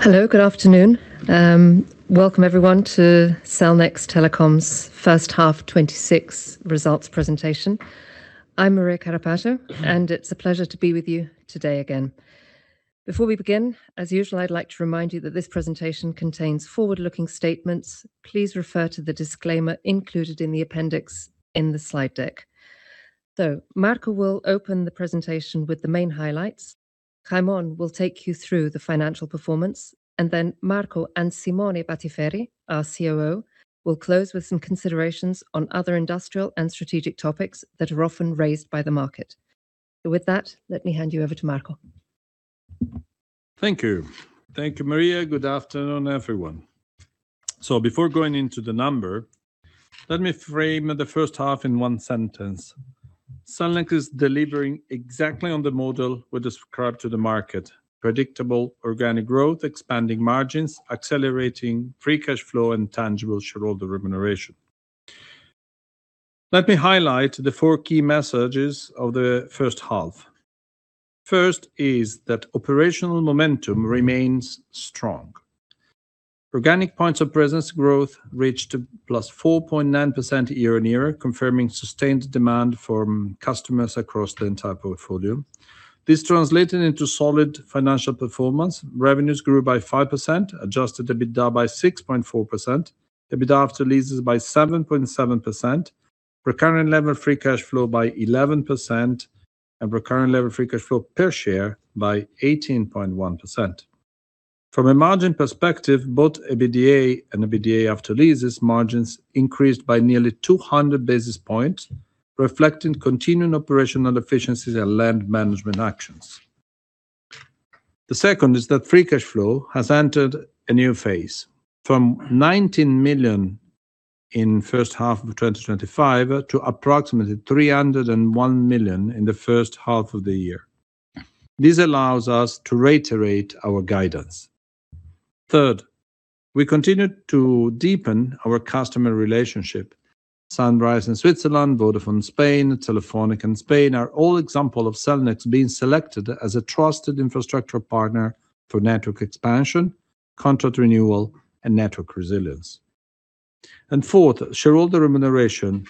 Hello. Good afternoon. Welcome, everyone, to Cellnex Telecom's first half 2026 results presentation. I'm Maria Carrapato, and it's a pleasure to be with you today again. Before we begin, as usual, I'd like to remind you that this presentation contains forward-looking statements. Please refer to the disclaimer included in the appendix in the slide deck. Marco will open the presentation with the main highlights. Raimon will take you through the financial performance, then Marco and Simone Battiferri, our COO, will close with some considerations on other industrial and strategic topics that are often raised by the market. With that, let me hand you over to Marco. Thank you. Thank you, Maria. Good afternoon, everyone. Before going into the number, let me frame the first half in one sentence. Cellnex is delivering exactly on the model we described to the market: predictable organic growth, expanding margins, accelerating free cash flow, and tangible shareholder remuneration. Let me highlight the four key messages of the first half. First is that operational momentum remains strong. Organic points of presence growth reached +4.9% year-on-year, confirming sustained demand from customers across the entire portfolio. This translated into solid financial performance. Revenues grew by 5%, Adjusted EBITDA by 6.4%, EBITDA after leases by 7.7%, recurrent level free cash flow by 11%, and recurrent level free cash flow per share by 18.1%. From a margin perspective, both EBITDA and EBITDA after leases margins increased by nearly 200 basis points, reflecting continuing operational efficiencies and land management actions. The second is that free cash flow has entered a new phase. From 19 million in first half of 2025 to approximately 301 million in the first half of the year. This allows us to reiterate our guidance. Third, we continue to deepen our customer relationship. Sunrise in Switzerland, Vodafone España, and Telefónica in Spain are all examples of Cellnex being selected as a trusted infrastructure partner for network expansion, contract renewal, and network resilience. Fourth, shareholder remuneration,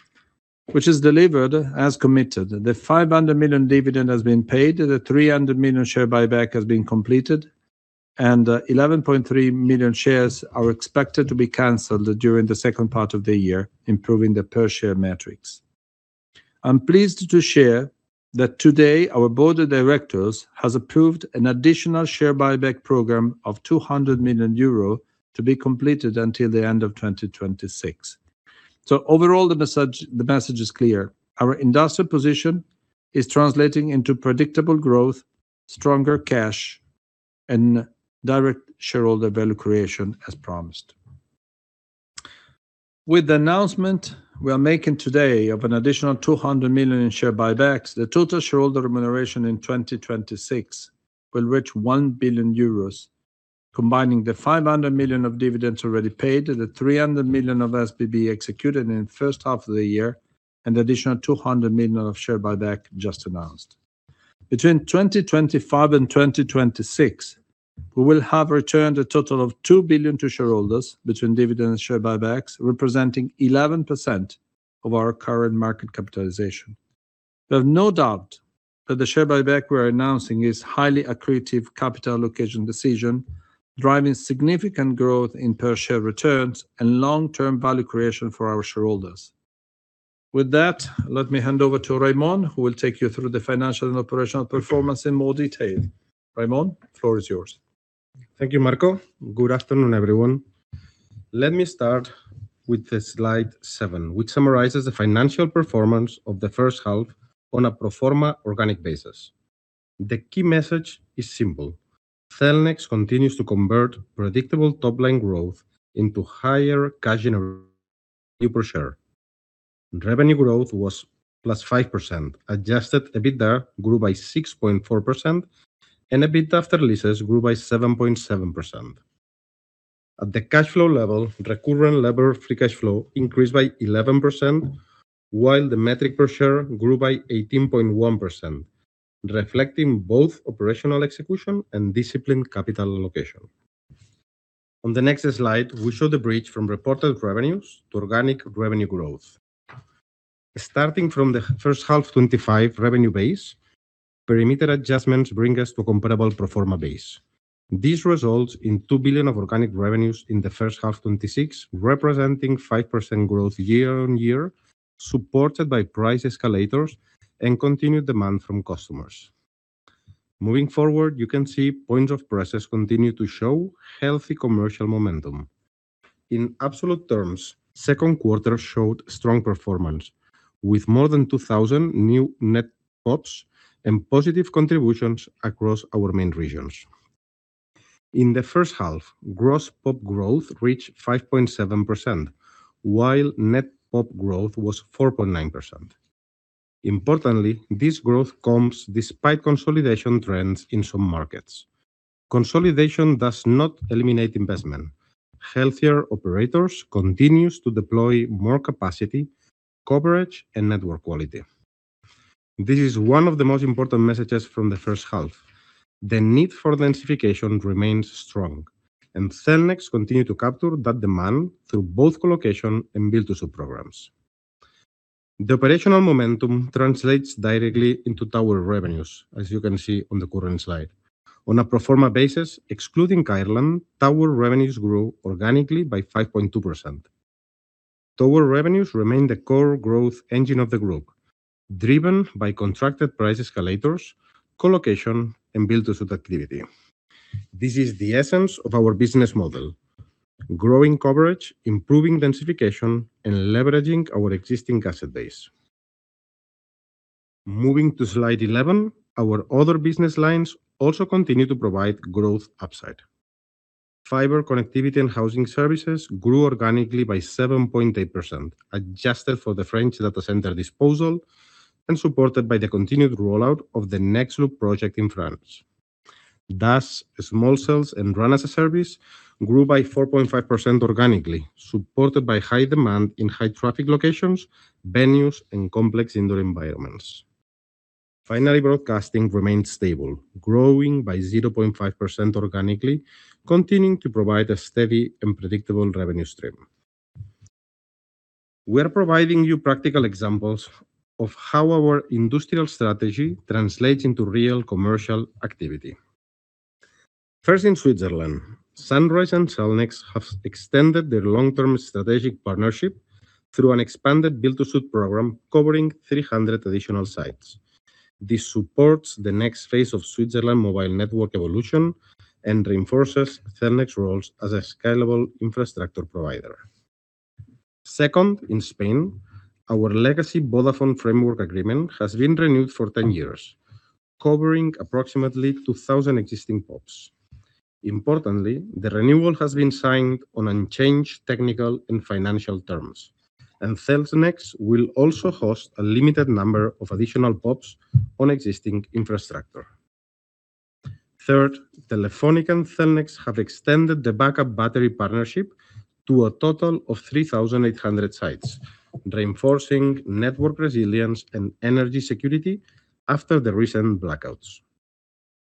which is delivered as committed. The 500 million dividend has been paid, the 300 million share buyback has been completed, and 11.3 million shares are expected to be canceled during the second part of the year, improving the per-share metrics. I'm pleased to share that today our board of directors has approved an additional share buyback program of 200 million euro to be completed until the end of 2026. Overall, the message is clear. Our industrial position is translating into predictable growth, stronger cash, and direct shareholder value creation as promised. With the announcement we are making today of an additional 200 million in share buybacks, the total shareholder remuneration in 2026 will reach 1 billion euros, combining the 500 million of dividends already paid, the 300 million of SBB executed in the first half of the year, and the additional 200 million of share buyback just announced. Between 2025 and 2026, we will have returned a total of 2 billion to shareholders between dividends, share buybacks, representing 11% of our current market capitalization. We have no doubt that the share buyback we're announcing is highly accretive capital allocation decision, driving significant growth in per-share returns and long-term value creation for our shareholders. With that, let me hand over to Raimon, who will take you through the financial and operational performance in more detail. Raimon, floor is yours. Thank you, Marco. Good afternoon, everyone. Let me start with the slide seven, which summarizes the financial performance of the first half on a pro forma organic basis. The key message is simple. Cellnex continues to convert predictable top-line growth into higher cash generation per share. Revenue growth was +5%, Adjusted EBITDA grew by 6.4%, and EBITDA after leases grew by 7.7%. At the cash flow level, recurrent lever free cash flow increased by 11%, while the metric per share grew by 18.1%, reflecting both operational execution and disciplined capital allocation. On the next slide, we show the bridge from reported revenues to organic revenue growth. Starting from the first half 2025 revenue base, perimeter adjustments bring us to a comparable pro forma base. This results in 2 billion of organic revenues in the first half 2026, representing 5% growth year-over-year, supported by price escalators and continued demand from customers. Moving forward, you can see points of presence continue to show healthy commercial momentum. In absolute terms, second quarter showed strong performance with more than 2,000 new net PoPs and positive contributions across our main regions. In the first half, gross PoP growth reached 5.7%, while net PoP growth was 4.9%. Importantly, this growth comes despite consolidation trends in some markets. Consolidation does not eliminate investment. Healthier operators continues to deploy more capacity, coverage, and network quality. This is one of the most important messages from the first half. The need for densification remains strong, and Cellnex continue to capture that demand through both colocation and build-to-suit programs. The operational momentum translates directly into tower revenues, as you can see on the current slide. On a pro forma basis, excluding Ireland, tower revenues grew organically by 5.2%. Tower revenues remain the core growth engine of the group, driven by contracted price escalators, colocation, and build-to-suit activity. This is the essence of our business model: growing coverage, improving densification, and leveraging our existing asset base. Moving to slide 11, our other business lines also continue to provide growth upside. Fiber connectivity and housing services grew organically by 7.8%, adjusted for the French data center disposal and supported by the continued rollout of the Next Loop project in France. DAS, small cells, and RAN as a Service grew by 4.5% organically, supported by high demand in high-traffic locations, venues, and complex indoor environments. Finally, broadcasting remained stable, growing by 0.5% organically, continuing to provide a steady and predictable revenue stream. We are providing you practical examples of how our industrial strategy translates into real commercial activity. First, in Switzerland, Sunrise and Cellnex have extended their long-term strategic partnership through an expanded build-to-suit program covering 300 additional sites. This supports the next phase of Switzerland mobile network evolution and reinforces Cellnex roles as a scalable infrastructure provider. Second, in Spain, our legacy Vodafone framework agreement has been renewed for 10 years, covering approximately 2,000 existing POPs. Importantly, the renewal has been signed on unchanged technical and financial terms, and Cellnex will also host a limited number of additional POPs on existing infrastructure. Third, Telefónica and Cellnex have extended the backup battery partnership to a total of 3,800 sites, reinforcing network resilience and energy security after the recent blackouts.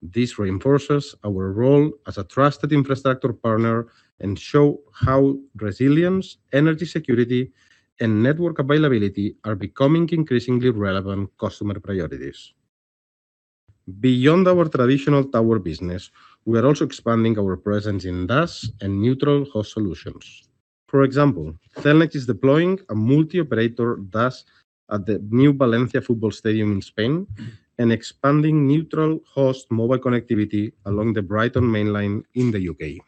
This reinforces our role as a trusted infrastructure partner and show how resilience, energy security, and network availability are becoming increasingly relevant customer priorities. Beyond our traditional tower business, we are also expanding our presence in DAS and neutral host solutions. For example, Cellnex is deploying a multi-operator DAS at the new Valencia football stadium in Spain and expanding neutral host mobile connectivity along the Brighton mainline in the U.K.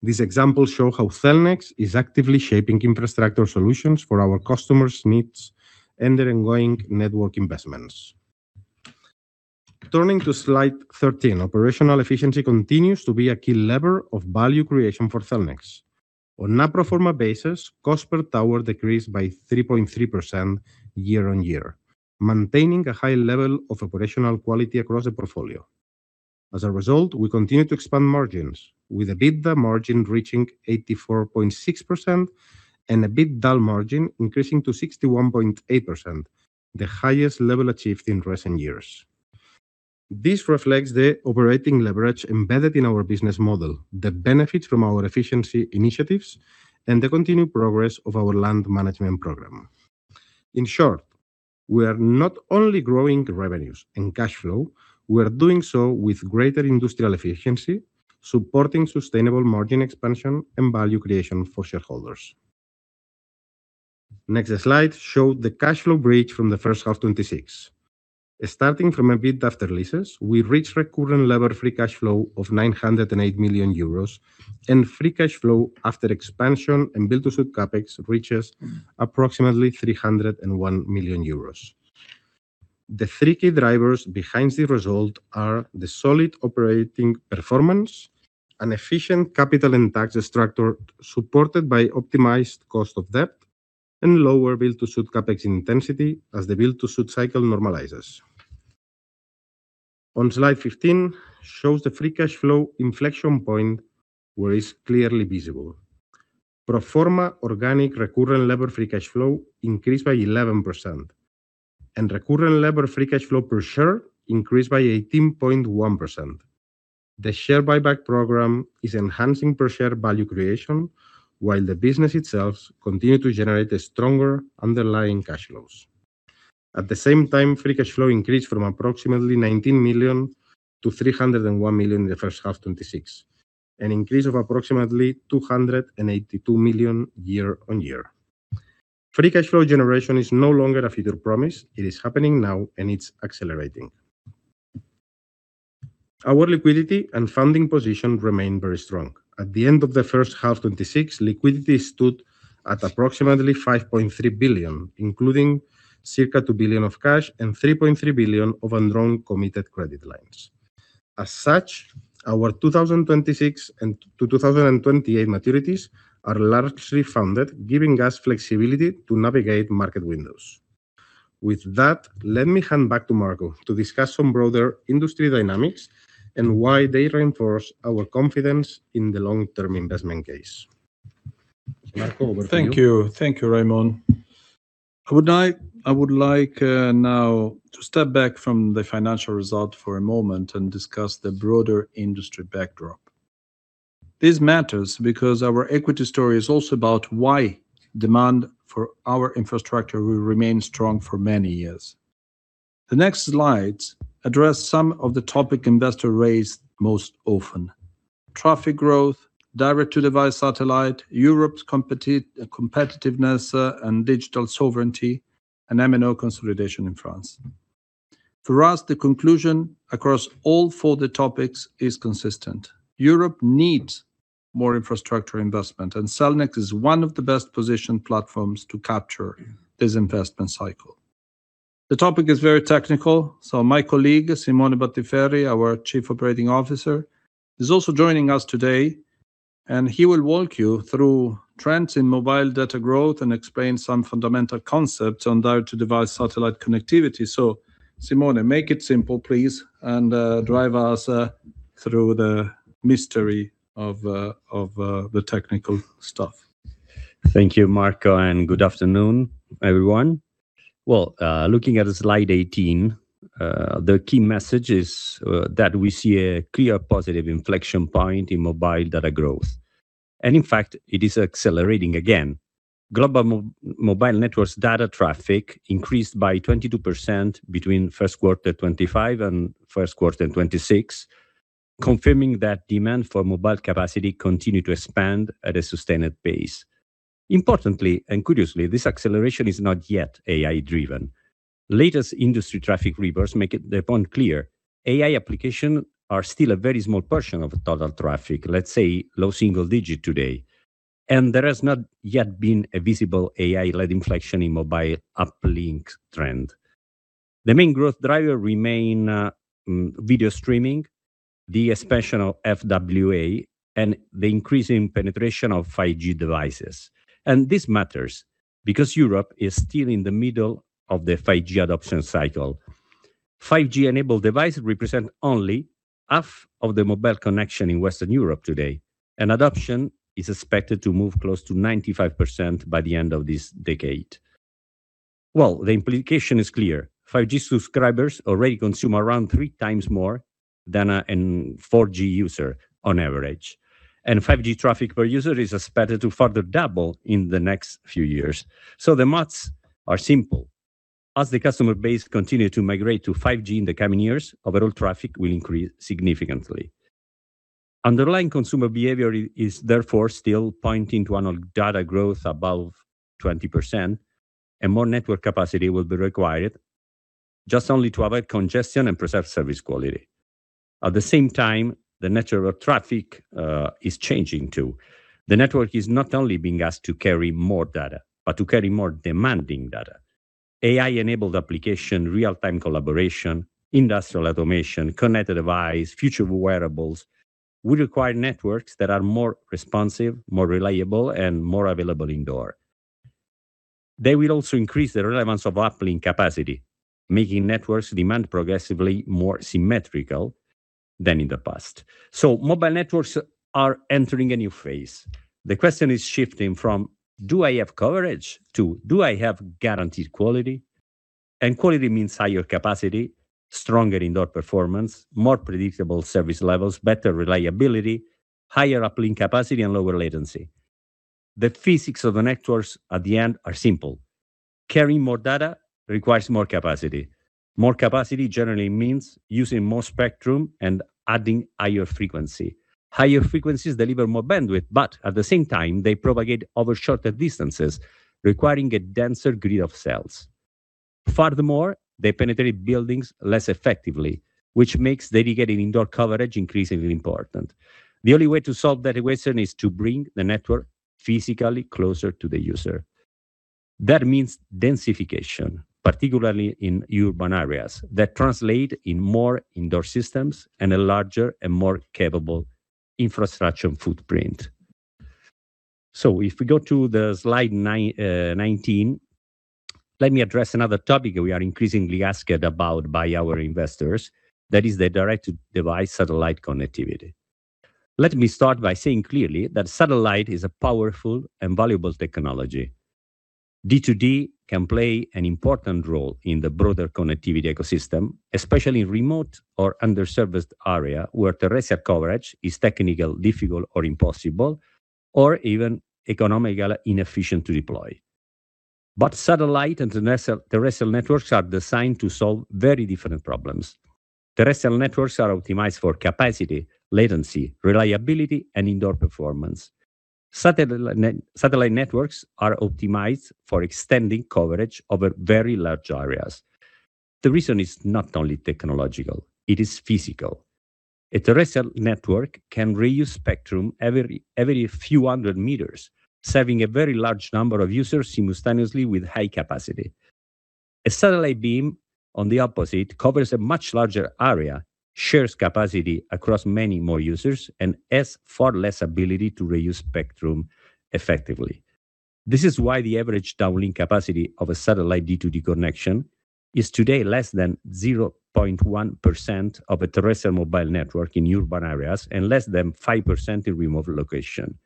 These examples show how Cellnex is actively shaping infrastructure solutions for our customers' needs and their ongoing network investments. Turning to slide 13, operational efficiency continues to be a key lever of value creation for Cellnex. On a pro forma basis, cost per tower decreased by 3.3% year-on-year, maintaining a high level of operational quality across the portfolio. As a result, we continue to expand margins, with EBITDA margin reaching 84.6% and EBITDAaL margin increasing to 61.8%, the highest level achieved in recent years. This reflects the operating leverage embedded in our business model, the benefits from our efficiency initiatives, and the continued progress of our land management program. In short, we are not only growing revenues and cash flow, we are doing so with greater industrial efficiency, supporting sustainable margin expansion and value creation for shareholders. Next slide show the cash flow bridge from the first half 2026. Starting from EBITDA after leases, we reached recurrent lever free cash flow of 908 million euros, and free cash flow after expansion and build-to-suit CapEx reaches approximately 301 million euros. The three key drivers behind the result are the solid operating performance, an efficient capital and tax structure supported by optimized cost of debt, and lower build-to-suit CapEx intensity as the build-to-suit cycle normalizes. On slide 15, shows the free cash flow inflection point where it's clearly visible. Pro forma organic recurrent lever free cash flow increased by 11%, and recurrent lever free cash flow per share increased by 18.1%. The share buyback program is enhancing per-share value creation, while the business itself continue to generate stronger underlying cash flows. At the same time, free cash flow increased from approximately 19 million to 301 million in the first half 2026, an increase of approximately 282 million year-on-year. Free cash flow generation is no longer a future promise. It is happening now, and it's accelerating. Our liquidity and funding position remain very strong. At the end of the first half 2026, liquidity stood at approximately 5.3 billion, including circa 2 billion of cash and 3.3 billion of undrawn committed credit lines. As such, our 2026 and to 2028 maturities are largely funded, giving us flexibility to navigate market windows. With that, let me hand back to Marco to discuss some broader industry dynamics and why they reinforce our confidence in the long-term investment case. Marco, over to you. Thank you, Raimon. I would like now to step back from the financial result for a moment and discuss the broader industry backdrop. This matters because our equity story is also about why demand for our infrastructure will remain strong for many years. The next slides address some of the topic investor raised most often. Traffic growth, direct-to-device satellite, Europe's competitiveness and digital sovereignty, and MNO consolidation in France. For us, the conclusion across all four of the topics is consistent. Europe needs more infrastructure investment, and Cellnex is one of the best-positioned platforms to capture this investment cycle. The topic is very technical, so my colleague, Simone Battiferri, our Chief Operating Officer, is also joining us today, and he will walk you through trends in mobile data growth and explain some fundamental concepts on direct-to-device satellite connectivity. Simone, make it simple, please, and drive us through the mystery of the technical stuff. Thank you, Marco, and good afternoon, everyone. Well, looking at slide 18, the key message is that we see a clear positive inflection point in mobile data growth. In fact, it is accelerating again. Global mobile networks data traffic increased by 22% between first quarter 2025 and first quarter 2026, confirming that demand for mobile capacity continued to expand at a sustained pace. Importantly and curiously, this acceleration is not yet AI-driven. Latest industry traffic numbers make the point clear. AI applications are still a very small portion of total traffic, let's say low single digit today. There has not yet been a visible AI-led inflection in mobile uplink trend. The main growth drivers remain video streaming, the expansion of FWA, and the increasing penetration of 5G devices. This matters because Europe is still in the middle of the 5G adoption cycle. 5G-enabled devices represent only half of the mobile connection in Western Europe today, and adoption is expected to move close to 95% by the end of this decade. Well, the implication is clear. 5G subscribers already consume around 3 times more than a 4G user on average. 5G traffic per user is expected to further double in the next few years. The maths are simple. As the customer base continues to migrate to 5G in the coming years, overall traffic will increase significantly. Underlying consumer behavior is therefore still pointing to annual data growth above 20%, and more network capacity will be required just only to avoid congestion and preserve service quality. At the same time, the nature of traffic is changing too. The network is not only being asked to carry more data, but to carry more demanding data. AI-enabled applications, real-time collaboration, industrial automation, connected devices, future wearables will require networks that are more responsive, more reliable, and more available indoor. They will also increase the relevance of uplink capacity, making networks demand progressively more symmetrical than in the past. Mobile networks are entering a new phase. The question is shifting from, do I have coverage? To, do I have guaranteed quality? Quality means higher capacity, stronger indoor performance, more predictable service levels, better reliability, higher uplink capacity, and lower latency. The physics of the networks at the end are simple. Carrying more data requires more capacity. More capacity generally means using more spectrum and adding higher frequency. Higher frequencies deliver more bandwidth, but at the same time, they propagate over shorter distances, requiring a denser grid of cells. Furthermore, they penetrate buildings less effectively, which makes dedicated indoor coverage increasingly important. The only way to solve that equation is to bring the network physically closer to the user. That means densification, particularly in urban areas, that translates in more indoor systems and a larger and more capable infrastructure footprint. If we go to slide 19, let me address another topic we are increasingly asked about by our investors. That is the direct-to-device satellite connectivity. Let me start by saying clearly that satellite is a powerful and valuable technology. D2D can play an important role in the broader connectivity ecosystem, especially in remote or underserviced area where terrestrial coverage is technically difficult or impossible, or even economically inefficient to deploy. Satellite and terrestrial networks are designed to solve very different problems. Terrestrial networks are optimized for capacity, latency, reliability, and indoor performance. Satellite networks are optimized for extending coverage over very large areas. The reason is not only technological, it is physical. A terrestrial network can reuse spectrum every few hundred meters, serving a very large number of users simultaneously with high capacity. A satellite beam, on the opposite, covers a much larger area, shares capacity across many more users, and has far less ability to reuse spectrum effectively. This is why the average downlink capacity of a satellite D2D connection is today less than 0.1% of a terrestrial mobile network in urban areas and less than 5% in remote location.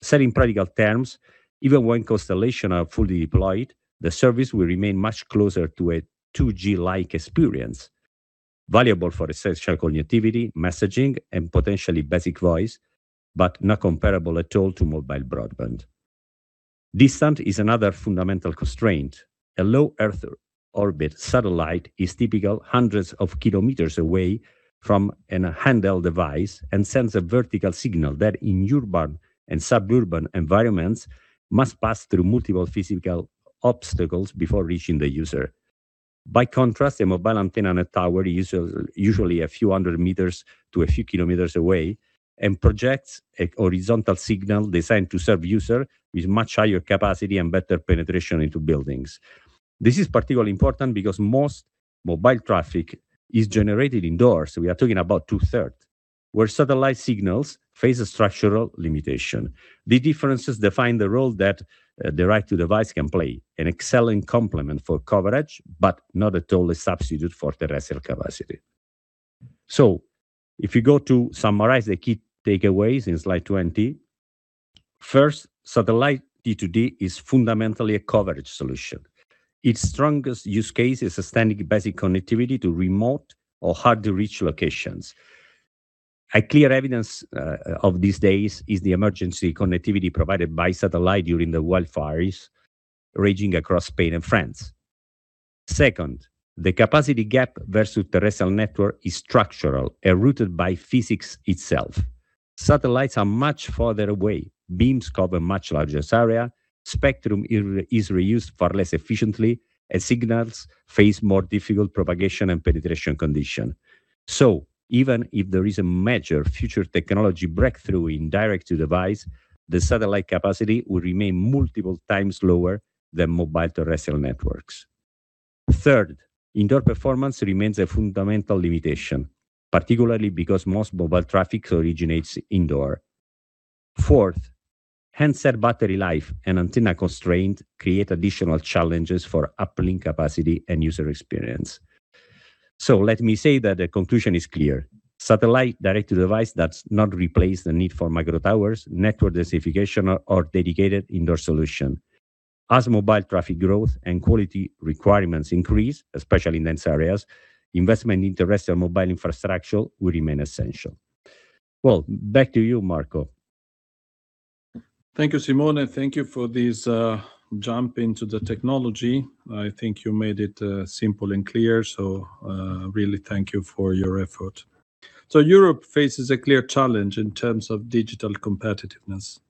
Said in practical terms, even when constellations are fully deployed, the service will remain much closer to a 2G-like experience, valuable for essential connectivity, messaging and potentially basic voice, but not comparable at all to mobile broadband. Distance is another fundamental constraint. A low Earth orbit satellite is typical hundreds of kilometers away from an handheld device and sends a vertical signal that, in urban and suburban environments, must pass through multiple physical obstacles before reaching the user. By contrast, a mobile antenna on a tower is usually a few hundred meters to a few kilometers away and projects a horizontal signal designed to serve user with much higher capacity and better penetration into buildings. This is particularly important because most mobile traffic is generated indoors. We are talking about two-third, where satellite signals face a structural limitation. The differences define the role that direct to device can play, an excellent complement for coverage, but not a total substitute for terrestrial capacity. If you go to summarize the key takeaways in slide 20, first, satellite D2D is fundamentally a coverage solution. Its strongest use case is sustaining basic connectivity to remote or hard-to-reach locations. A clear evidence of these days is the emergency connectivity provided by satellite during the wildfires raging across Spain and France. Second, the capacity gap versus terrestrial network is structural and rooted by physics itself. Satellites are much farther away. Beams cover much larger area. Spectrum is reused far less efficiently, and signals face more difficult propagation and penetration condition. Even if there is a major future technology breakthrough in direct to device, the satellite capacity will remain multiple times lower than mobile terrestrial networks. Third, indoor performance remains a fundamental limitation, particularly because most mobile traffic originates indoor. Fourth, handset battery life and antenna constraint create additional challenges for uplink capacity and user experience. Let me say that the conclusion is clear. Satellite direct to device does not replace the need for micro towers, network densification or dedicated indoor solution. As mobile traffic growth and quality requirements increase, especially in dense areas, investment in terrestrial mobile infrastructure will remain essential. Well, back to you, Marco. Thank you, Simone. Thank you for this jump into the technology. I think you made it simple and clear. Really thank you for your effort. Europe faces a clear challenge in terms of digital competitiveness.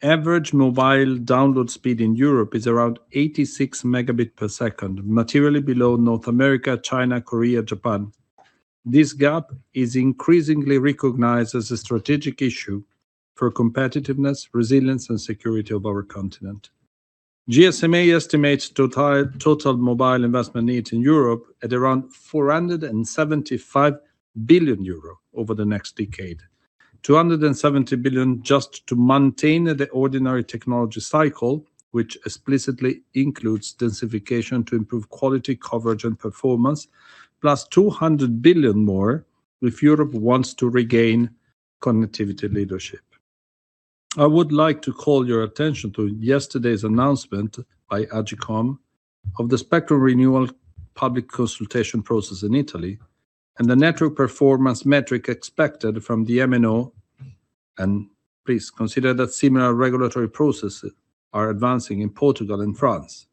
Average mobile download speed in Europe is around 86 megabit per second, materially below North America, China, Korea, Japan. This gap is increasingly recognized as a strategic issue for competitiveness, resilience, and security of our continent. GSMA estimates total mobile investment needs in Europe at around 475 billion euro over the next decade. 270 billion just to maintain the ordinary technology cycle, which explicitly includes densification to improve quality, coverage, and performance, plus 200 billion more if Europe wants to regain connectivity leadership. I would like to call your attention to yesterday's announcement by AGCOM of the spectral renewal public consultation process in Italy and the network performance metric expected from the MNO. Please consider that similar regulatory processes are advancing in Portugal and France.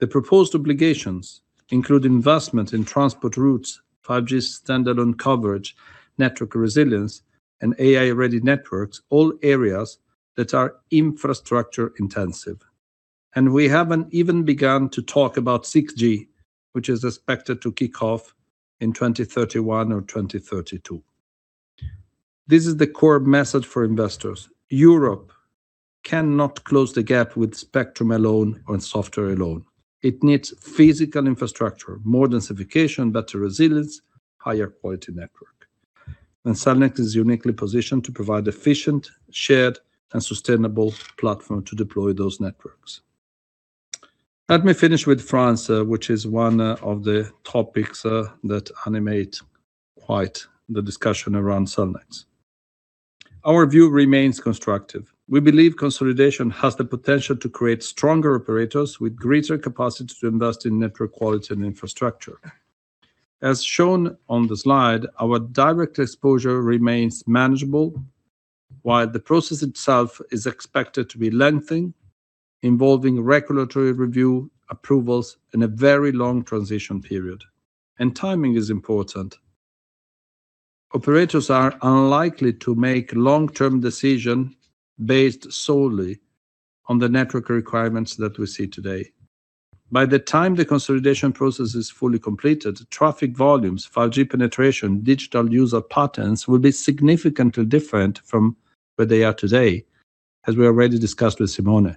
The proposed obligations include investment in transport routes, 5G Standalone coverage, network resilience, and AI-ready networks, all areas that are infrastructure-intensive. We haven't even begun to talk about 6G, which is expected to kick off in 2031 or 2032. This is the core message for investors. Europe cannot close the gap with spectrum alone or software alone. It needs physical infrastructure, more densification, better resilience, higher quality network. Cellnex is uniquely positioned to provide efficient, shared, and sustainable platform to deploy those networks. Let me finish with France, which is one of the topics that animate quite the discussion around Cellnex. All of you remain constructive. We believe consolidation has the potential to create stronger operators with greater capacity to invest in network quality and infrastructure. As shown on the slide, our direct exposure remains manageable while the process itself is expected to be lengthy, involving regulatory review, approvals, and a very long transition period. Timing is important. Operators are unlikely to make long-term decision based solely on the network requirements that we see today. By the time the consolidation process is fully completed, traffic volumes, 5G penetration, digital user patterns will be significantly different from where they are today, as we already discussed with Simone.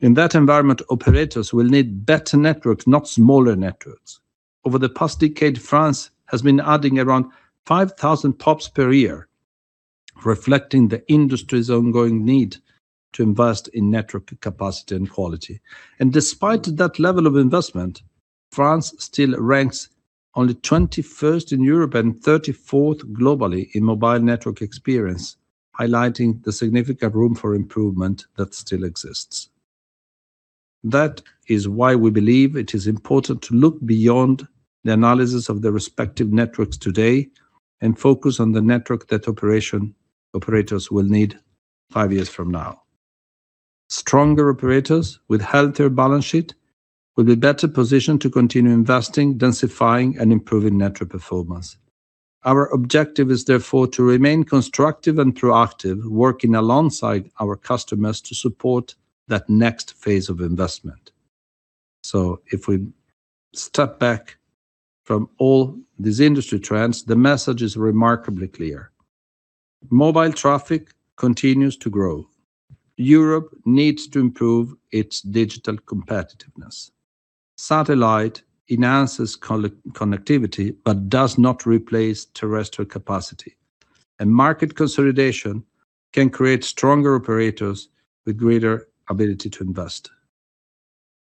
In that environment, operators will need better networks, not smaller networks. Over the past decade, France has been adding around 5,000 tops per year, reflecting the industry's ongoing need to invest in network capacity and quality. Despite that level of investment, France still ranks only 21st in Europe and 34th globally in mobile network experience, highlighting the significant room for improvement that still exists. That is why we believe it is important to look beyond the analysis of the respective networks today and focus on the network that operators will need five years from now. Stronger operators with healthier balance sheet will be better positioned to continue investing, densifying, and improving network performance. Our objective is therefore to remain constructive and proactive, working alongside our customers to support that next phase of investment. If we step back from all these industry trends, the message is remarkably clear. Mobile traffic continues to grow. Europe needs to improve its digital competitiveness. Satellite enhances connectivity but does not replace terrestrial capacity. Market consolidation can create stronger operators with greater ability to invest.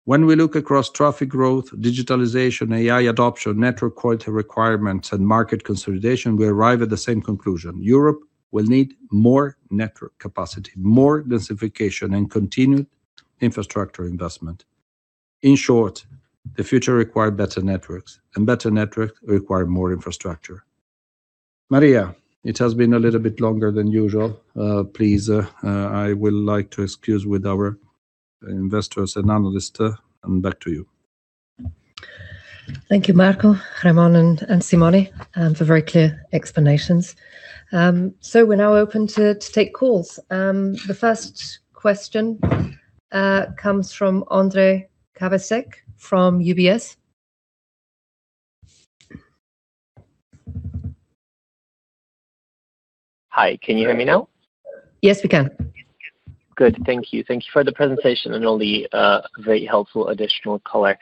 When we look across traffic growth, digitalization, AI adoption, network quality requirements, and market consolidation, we arrive at the same conclusion. Europe will need more network capacity, more densification, and continued infrastructure investment. In short, the future require better networks, and better networks require more infrastructure. Maria, it has been a little bit longer than usual. Please, I will like to excuse with our investors and analysts and back to you. Thank you, Marco, Raimon, and Simone for very clear explanations. We're now open to take calls. The first question comes from Ondrej Cabejsek from UBS. Hi, can you hear me now? Yes, we can. Good. Thank you. Thank you for the presentation and all the very helpful additional color.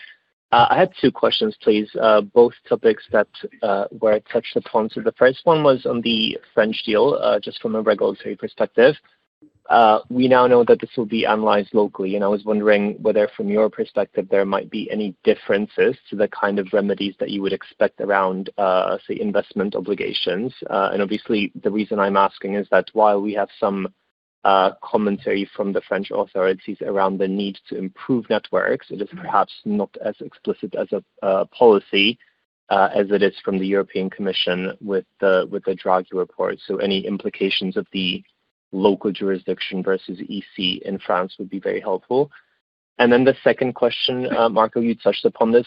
I had two questions, please. Both topics that where I touched upon. The first one was on the French deal, just from a regulatory perspective. We now know that this will be analyzed locally, and I was wondering whether from your perspective there might be any differences to the kind of remedies that you would expect around, say, investment obligations. Obviously the reason I am asking is that while we have some commentary from the French authorities around the need to improve networks, it is perhaps not as explicit as a policy as it is from the European Commission with the Draghi report. Any implications of the local jurisdiction versus EC in France would be very helpful. The second question, Marco, you touched upon this,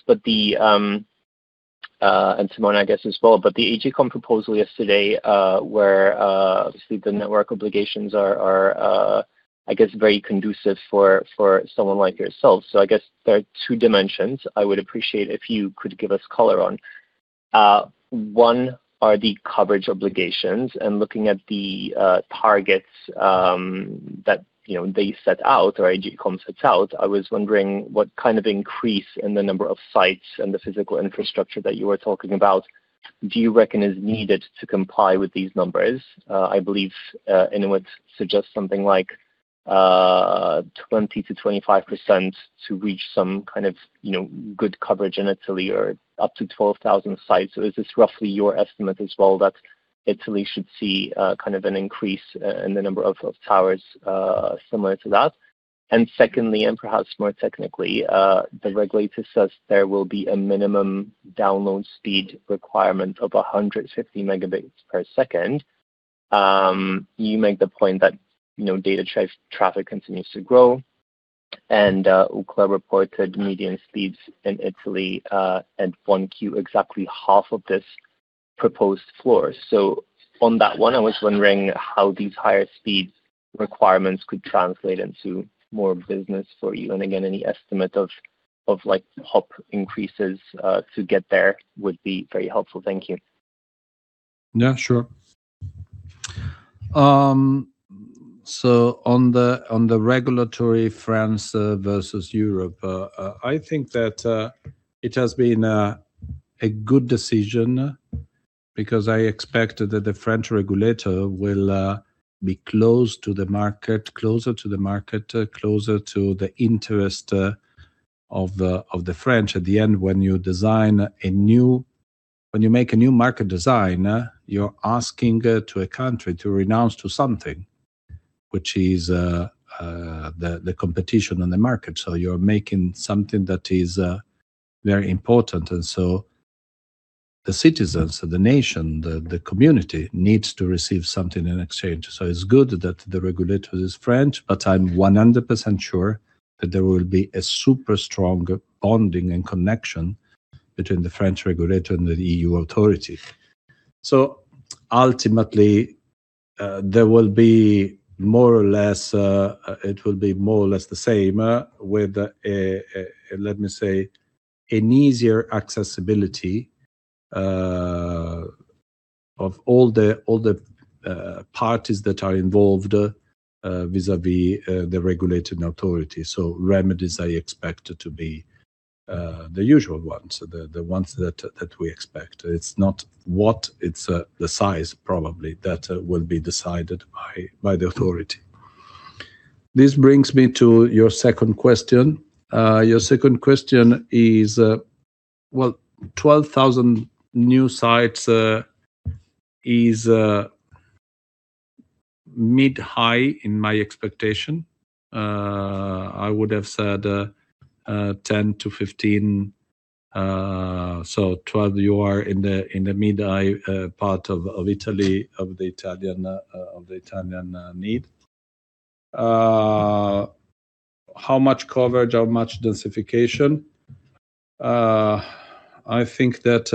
and Simone I guess as well, but the AGCOM proposal yesterday where obviously the network obligations are, I guess, very conducive for someone like yourselves. I guess there are two dimensions I would appreciate if you could give us color on. One are the coverage obligations and looking at the targets that they set out or AGCOM sets out, I was wondering what kind of increase in the number of sites and the physical infrastructure that you were talking about do you reckon is needed to comply with these numbers? I believe Inwit suggests something like 20%-25% to reach some kind of good coverage in Italy or up to 12,000 sites. Is this roughly your estimate as well that Italy should see an increase in the number of towers similar to that? Secondly, and perhaps more technically, the regulator says there will be a minimum download speed requirement of 150 megabits per second. You make the point that data traffic continues to grow and Ookla reported median speeds in Italy at 1Q exactly half of this proposed floor. On that one, I was wondering how these higher speed requirements could translate into more business for you. Again, any estimate of PoP increases to get there would be very helpful. Thank you. Sure. On the regulatory France versus Europe, I think that it has been a good decision because I expect that the French regulator will be closer to the market, closer to the interest of the French. At the end, when you make a new market design, you're asking to a country to renounce to something, which is the competition on the market. You're making something that is very important and so the citizens of the nation, the community needs to receive something in exchange. It's good that the regulator is French, but I'm 100% sure that there will be a super strong bonding and connection between the French regulator and the EU authority. Ultimately, it will be more or less the same with a, let me say, an easier accessibility of all the parties that are involved vis-a-vis the regulating authority. Remedies are expected to be the usual ones, the ones that we expect. It's not what, it's the size probably that will be decided by the authority. This brings me to your second question. Your second question is, 12,000 new sites is mid-high in my expectation. I would have said 10 to 15. 12, you are in the mid-high part of Italy, of the Italian need. How much coverage, how much densification? I think that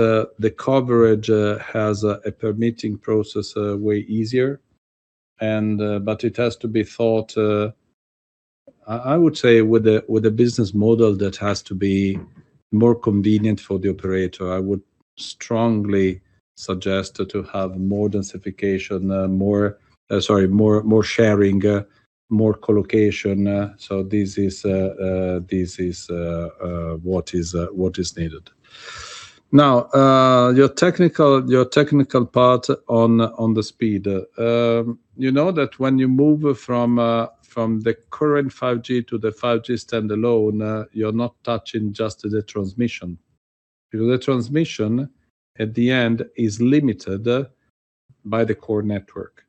the coverage has a permitting process way easier, but it has to be thought, I would say with a business model that has to be more convenient for the operator. I would strongly suggest to have more densification, more sharing, more collocation. This is what is needed. Now, your technical part on the speed. You know that when you move from the current 5G to the 5G Standalone, you're not touching just the transmission. Because the transmission, at the end, is limited by the core network.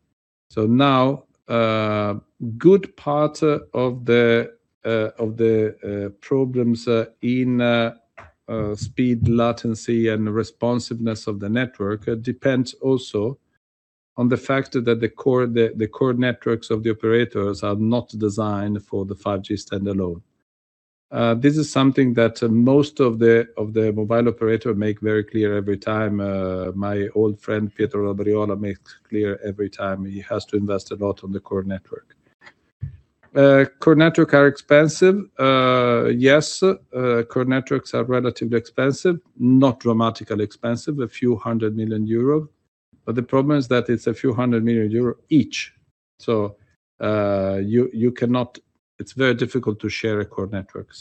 Good part of the problems in speed latency and responsiveness of the network depends also on the fact that the core networks of the operators are not designed for the 5G Standalone. This is something that most of the MNO make very clear every time. My old friend Pietro Labriola makes clear every time. He has to invest a lot on the core network. Core networks are expensive. Yes, core networks are relatively expensive, not dramatically expensive, a few hundred million EUR. The problem is that it's a few hundred million EUR each. It's very difficult to share a core network.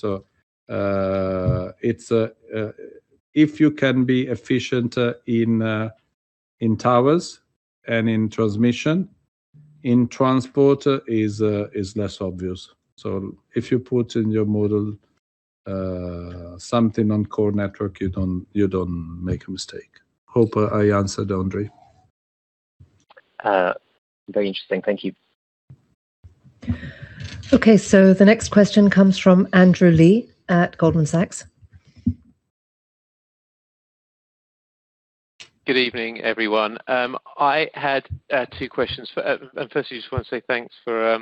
If you can be efficient in towers and in transmission, in transport is less obvious. If you put in your model something on core network, you don't make a mistake. Hope I answered, Ondrej. Very interesting. Thank you. Okay, the next question comes from Andrew Lee at Goldman Sachs. Good evening, everyone. I had two questions. Firstly, I just want to say thanks for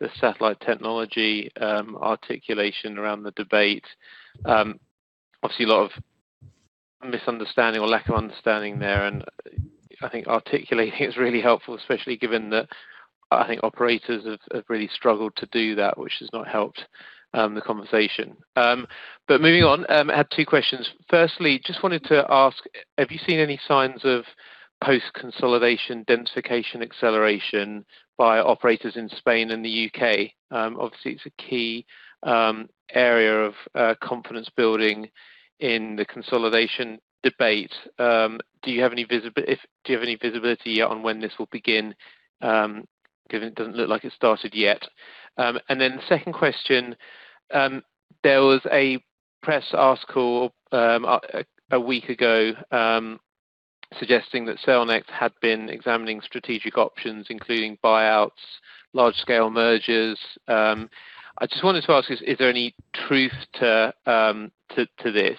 the satellite technology articulation around the debate. Obviously, a lot of misunderstanding or lack of understanding there, and I think articulating it is really helpful, especially given that I think operators have really struggled to do that, which has not helped the conversation. Moving on, I had two questions. Firstly, just wanted to ask, have you seen any signs of post-consolidation densification acceleration by operators in Spain and the U.K.? Obviously, it's a key area of confidence building in the consolidation debate. Do you have any visibility on when this will begin? Given it doesn't look like it's started yet. Then second question, there was a press article a week ago suggesting that Cellnex had been examining strategic options, including buyouts, large-scale mergers. I just wanted to ask, is there any truth to this?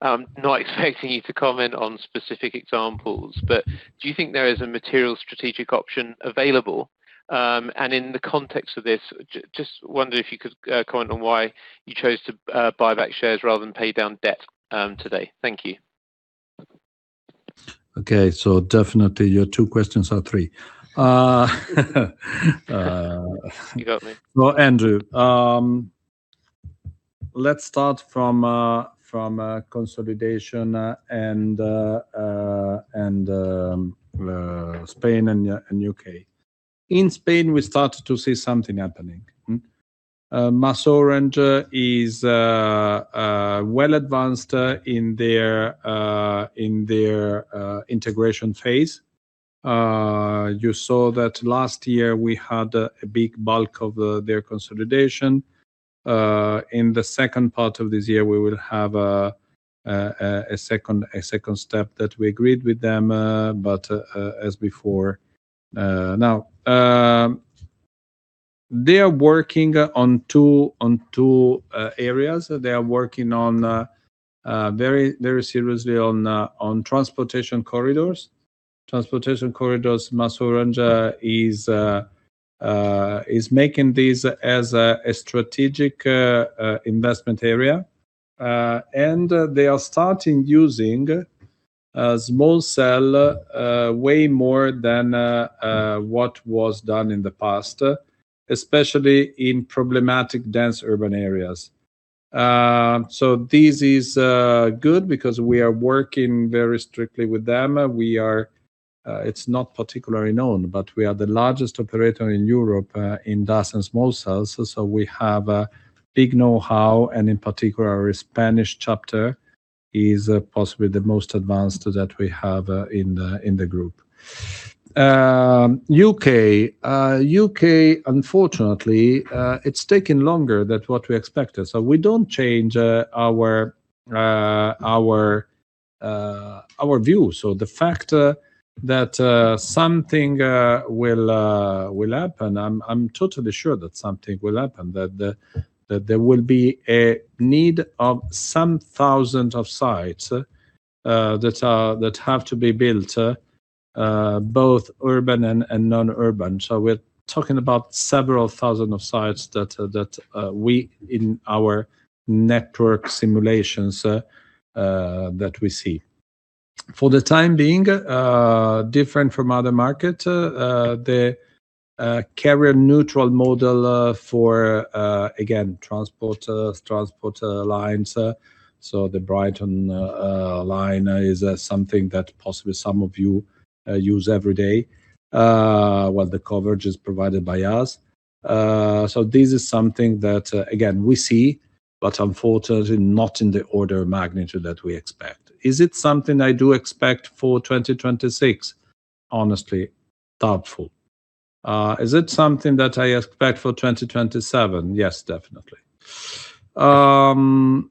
I'm not expecting you to comment on specific examples, but do you think there is a material strategic option available? In the context of this, just wonder if you could comment on why you chose to buy back shares rather than pay down debt today. Thank you. Okay, definitely your two questions are three. You got me. Well, Andrew, let's start from consolidation and Spain and U.K. In Spain, we start to see something happening. MasOrange is well advanced in their integration phase. You saw that last year we had a big bulk of their consolidation. In the second part of this year, we will have a second step that we agreed with them, but as before. Now, they are working on two areas. They are working very seriously on transportation corridors. Transportation corridors, MasOrange is making this as a strategic investment area. They are starting using small cell way more than what was done in the past, especially in problematic dense urban areas. This is good because we are working very strictly with them. It's not particularly known, but we are the largest operator in Europe in DAS and small cells, so we have a big know-how, and in particular, our Spanish chapter is possibly the most advanced that we have in the group. U.K., unfortunately it's taking longer than what we expected. We don't change our view. The fact that something will happen, I'm totally sure that something will happen, that there will be a need of some thousands of sites that have to be built, both urban and non-urban. We're talking about several thousand sites that we, in our network simulations, that we see. For the time being, different from other markets, the carrier neutral model for, again, transport lines. The Brighton line is something that possibly some of you use every day, where the coverage is provided by us. This is something that, again, we see, but unfortunately not in the order of magnitude that we expect. Is it something I do expect for 2026? Honestly, doubtful. Is it something that I expect for 2027? Yes, definitely. On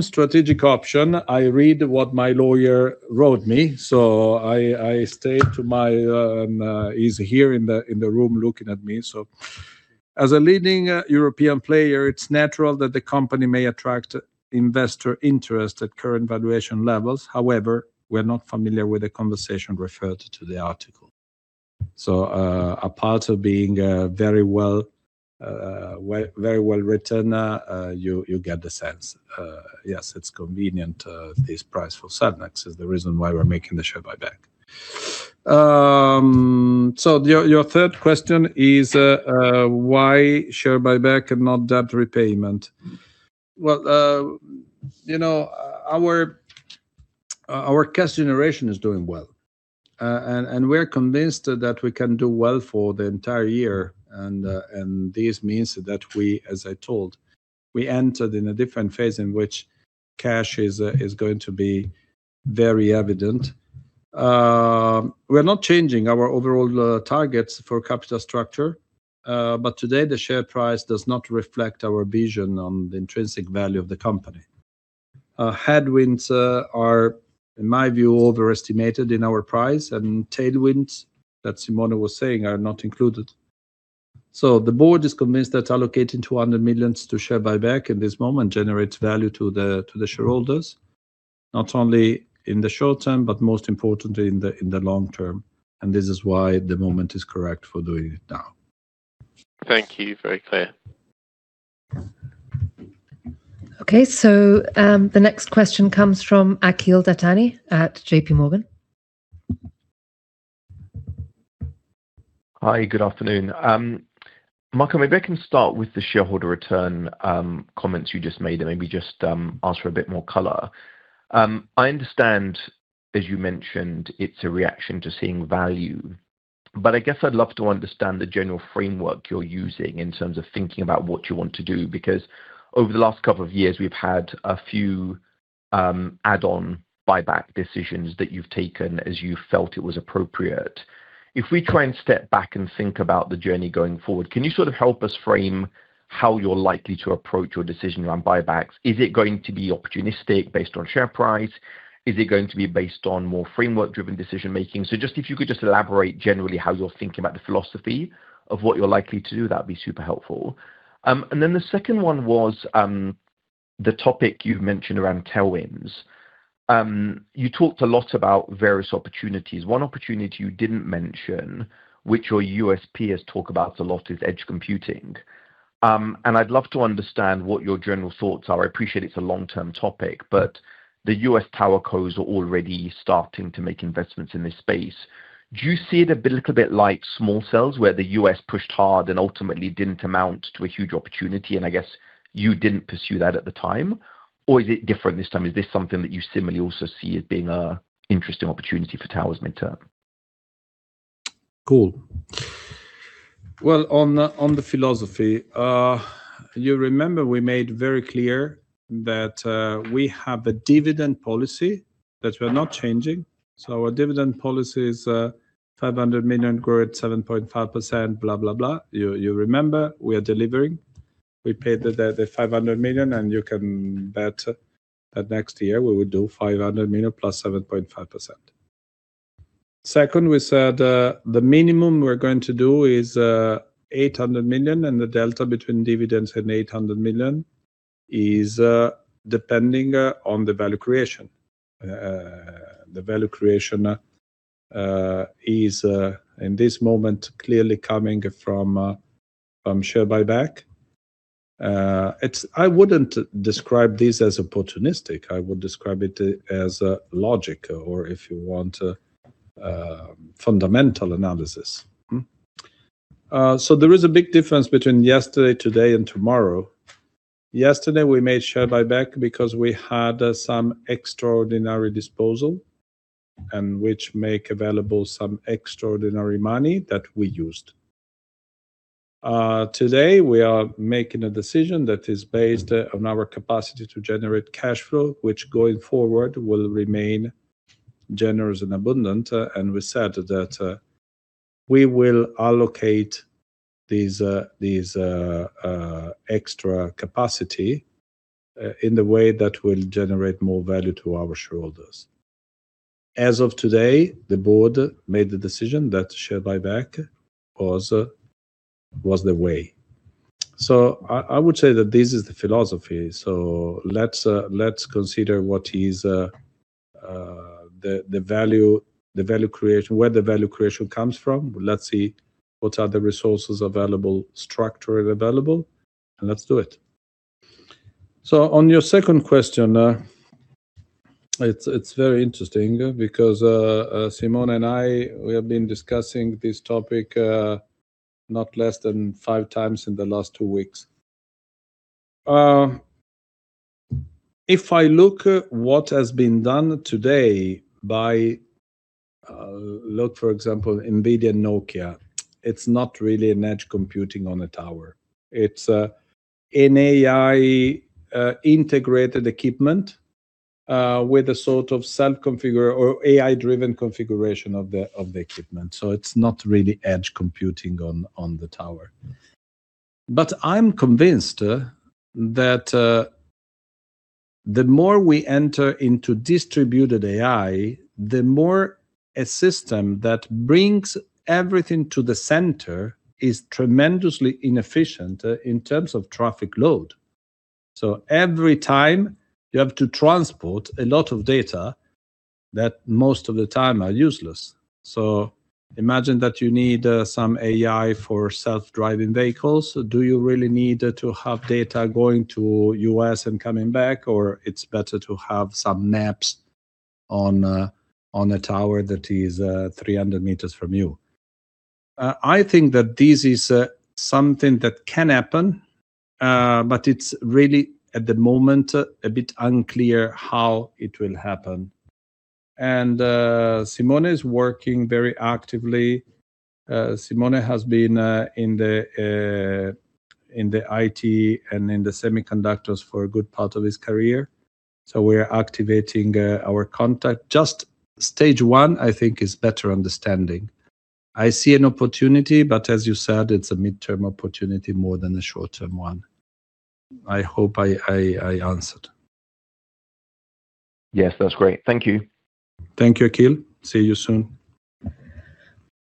strategic option, I read what my lawyer wrote me. He's here in the room looking at me. As a leading European player, it's natural that the company may attract investor interest at current valuation levels. However, we're not familiar with the conversation referred to the article. Apart of being very well written, you get the sense, yes, it's convenient this price for Cellnex is the reason why we're making the share buyback. Your third question is why share buyback and not debt repayment. Well, our cash generation is doing well. We're convinced that we can do well for the entire year. This means that we, as I told, entered in a different phase in which cash is going to be very evident. We're not changing our overall targets for capital structure. Today the share price does not reflect our vision on the intrinsic value of the company. Headwinds are, in my view, overestimated in our price, and tailwinds that Simone was saying are not included. The board is convinced that allocating 200 million to share buyback in this moment generates value to the shareholders, not only in the short term, but most importantly in the long term. This is why the moment is correct for doing it now. Thank you. Very clear. The next question comes from Akhil Dattani at JPMorgan. Hi, good afternoon. Marco, maybe I can start with the shareholder return comments you just made and maybe just ask for a bit more color. I understand, as you mentioned, it's a reaction to seeing value, but I guess I'd love to understand the general framework you're using in terms of thinking about what you want to do. Because over the last couple of years, we've had a few add-on buyback decisions that you've taken as you felt it was appropriate. If we try and step back and think about the journey going forward, can you sort of help us frame how you're likely to approach your decision around buybacks? Is it going to be opportunistic based on share price? Is it going to be based on more framework-driven decision-making? If you could just elaborate generally how you're thinking about the philosophy of what you're likely to do, that'd be super helpful. Then the second one was the topic you've mentioned around tailwinds. You talked a lot about various opportunities. One opportunity you didn't mention, which your USP has talked about a lot, is edge computing. I'd love to understand what your general thoughts are. I appreciate it's a long-term topic, but the U.S. tower cos are already starting to make investments in this space. Do you see it a little bit like small cells where the U.S. pushed hard and ultimately didn't amount to a huge opportunity, and I guess you didn't pursue that at the time? Or is it different this time? Is this something that you similarly also see as being an interesting opportunity for towers midterm? Cool. Well, on the philosophy, you remember we made very clear that we have a dividend policy that we're not changing. Our dividend policy is 500 million growth, 7.5%. You remember we are delivering. We paid the 500 million, you can bet that next year we will do 500 million plus 7.5%. Second, we said the minimum we're going to do is 800 million, the delta between dividends and 800 million is depending on the value creation. The value creation is, in this moment, clearly coming from share buyback. I wouldn't describe this as opportunistic. I would describe it as logic or, if you want, fundamental analysis. There is a big difference between yesterday, today, and tomorrow. Yesterday, we made share buyback because we had some extraordinary disposal, and which made available some extraordinary money that we used. Today, we are making a decision that is based on our capacity to generate cash flow, which going forward will remain generous and abundant. We said that we will allocate this extra capacity in the way that will generate more value to our shareholders. As of today, the board made the decision that share buyback was the way. I would say that this is the philosophy. Let's consider what is the value creation, where the value creation comes from. Let's see what are the resources available, structurally available, and let's do it. On your second question, it's very interesting because Simone and I, we have been discussing this topic not less than five times in the last two weeks. If I look what has been done today by, look, for example, NVIDIA and Nokia, it's not really an edge computing on a tower. It's an AI-integrated equipment with a sort of self-configured or AI-driven configuration of the equipment. It's not really edge computing on the tower. I'm convinced that the more we enter into distributed AI, the more a system that brings everything to the center is tremendously inefficient in terms of traffic load. Every time you have to transport a lot of data that most of the time are useless. Imagine that you need some AI for self-driving vehicles. Do you really need to have data going to U.S. and coming back, or it's better to have some maps on a tower that is 300 meters from you? I think that this is something that can happen, but it's really, at the moment, a bit unclear how it will happen. Simone is working very actively. Simone has been in the IT and in the semiconductors for a good part of his career. We are activating our contact. Just stage 1, I think, is better understanding. I see an opportunity, but as you said, it's a midterm opportunity more than a short-term one. I hope I answered. Yes, that's great. Thank you. Thank you, Akhil. See you soon.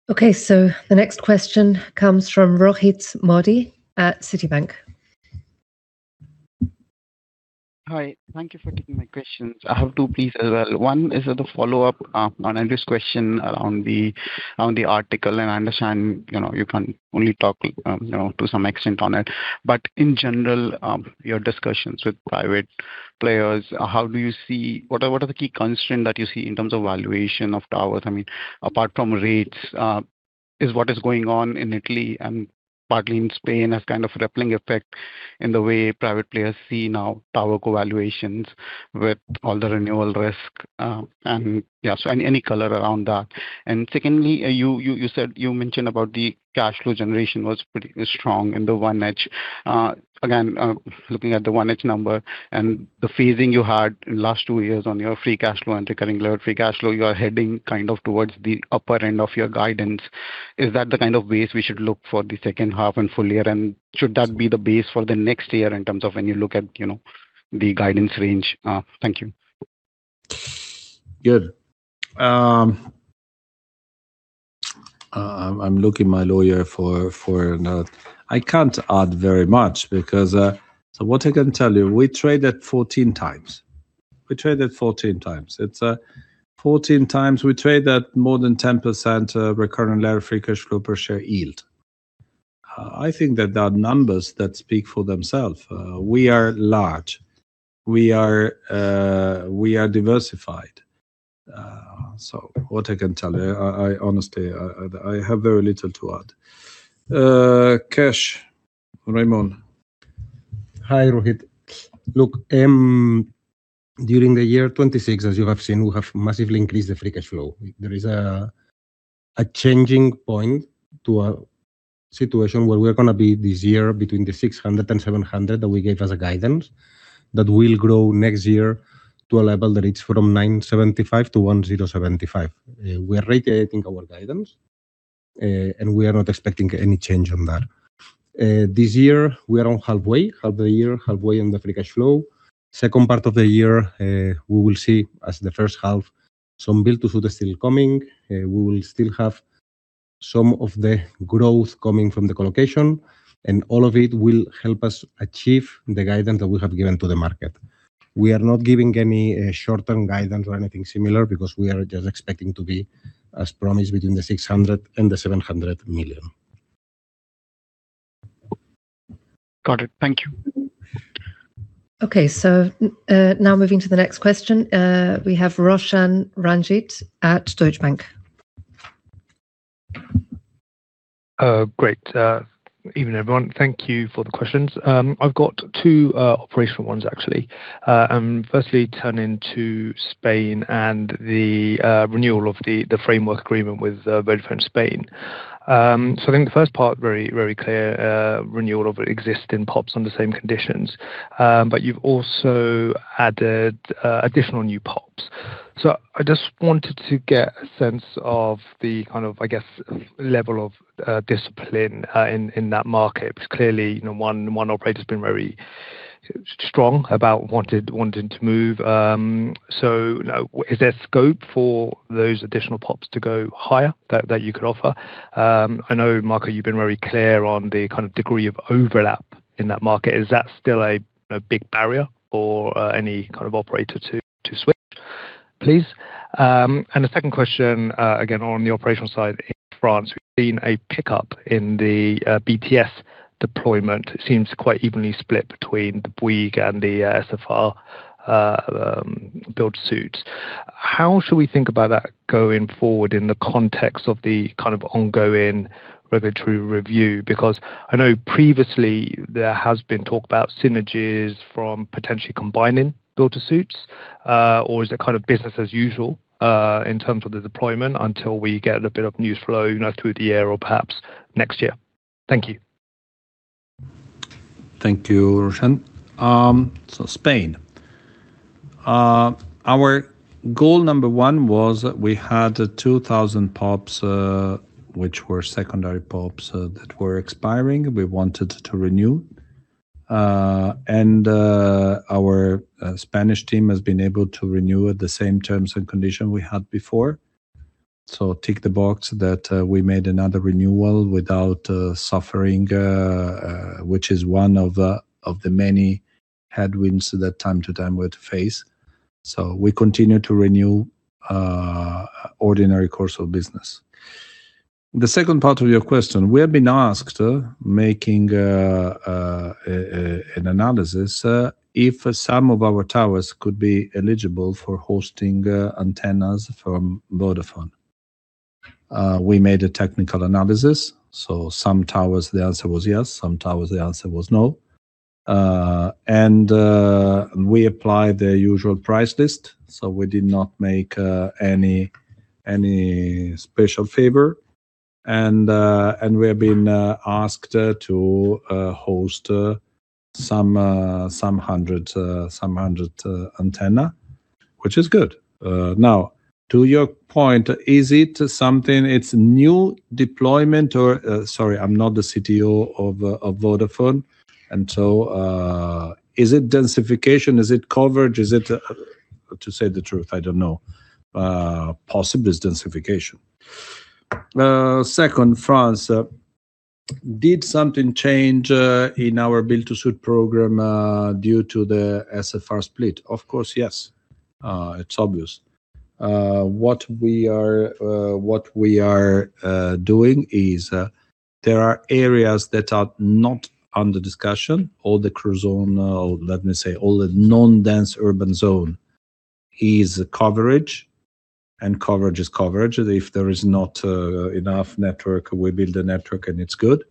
Okay, the next question comes from Rohit Modi at Citi. Hi. Thank you for taking my questions. I have two, please, as well. One is the follow-up on Andrew's question around the article. I understand you can only talk to some extent on it. In general, your discussions with private players, what are the key constraints that you see in terms of valuation of towers? I mean, apart from rates, is what is going on in Italy and partly in Spain as kind of rippling effect in the way private players see now towerco valuations with all the renewal risk. Any color around that. Secondly, you mentioned about the cash flow generation was pretty strong in the 1H. Looking at the 1H number and the phasing you had in last 2 years on your free cash flow and recurring levered free cash flow, you are heading towards the upper end of your guidance. Is that the kind of base we should look for the second half and full year? Should that be the base for the next year in terms of when you look at the guidance range? Thank you. Good. I'm looking my lawyer for a note. I can't add very much. What I can tell you, we trade at 14 times. We trade at 14 times. It's 14 times we trade at more than 10% recurring levered free cash flow per share yield. I think that there are numbers that speak for themselves. We are large. We are diversified. What I can tell you, honestly, I have very little to add. Cash, Raimon. Hi, Rohit. Look, during the year 2026, as you have seen, we have massively increased the free cash flow. There is a changing point to a situation where we're going to be this year between 600 million and 700 million that we gave as a guidance. That will grow next year to a level that is from 975 million-1,075 million. We are reiterating our guidance. We are not expecting any change on that. This year, we are halfway on the free cash flow. Second part of the year, we will see as the first half, some build to suit still coming. We will still have some of the growth coming from the colocation. All of it will help us achieve the guidance that we have given to the market. We are not giving any short-term guidance or anything similar because we are just expecting to be, as promised, between 600 million and 700 million. Got it. Thank you. Okay. Now moving to the next question. We have Roshan Ranjit at Deutsche Bank. Great. Evening, everyone. Thank you for the questions. I've got two operational ones actually. Firstly, turning to Spain and the renewal of the framework agreement with Vodafone Spain. I think the first part very clear, renewal of existing PoPs on the same conditions. You've also added additional new PoPs. I just wanted to get a sense of the kind of, I guess, level of discipline in that market, because clearly, one operator's been very strong about wanting to move. Is there scope for those additional PoPs to go higher that you could offer? I know, Marco, you've been very clear on the kind of degree of overlap in that market. Is that still a big barrier for any kind of operator to switch, please? The second question, again, on the operational side in France, we've seen a pickup in the BTS deployment. It seems quite evenly split between the Bouygues and the SFR build suits. How should we think about that going forward in the context of the kind of ongoing regulatory review? I know previously there has been talk about synergies from potentially combining build suits, or is it kind of business as usual in terms of the deployment until we get a bit of news flow through the year or perhaps next year? Thank you. Thank you, Roshan. Spain. Our goal number one was we had 2,000 PoPs, which were secondary PoPs that were expiring, we wanted to renew. Our Spanish team has been able to renew at the same terms and condition we had before. Tick the box that we made another renewal without suffering, which is one of the many headwinds that time to time we have to face. We continue to renew ordinary course of business. The second part of your question, we have been asked, making an analysis, if some of our towers could be eligible for hosting antennas from Vodafone. We made a technical analysis. Some towers, the answer was yes, some towers, the answer was no. We applied the usual price list. We did not make any special favor. We have been asked to host some 100 antenna, which is good. To your point, is it something, it's new deployment or Sorry, I'm not the CTO of Vodafone. Is it densification? Is it coverage? Is it To say the truth, I don't know. Possibly it's densification. Second, France. Did something change in our build to suit program due to the SFR split? Of course, yes. It's obvious. What we are doing is there are areas that are not under discussion. All the zone creuse, let me say, all the non-dense urban zone is coverage, and coverage is coverage. If there is not enough network, we build the network and it's good.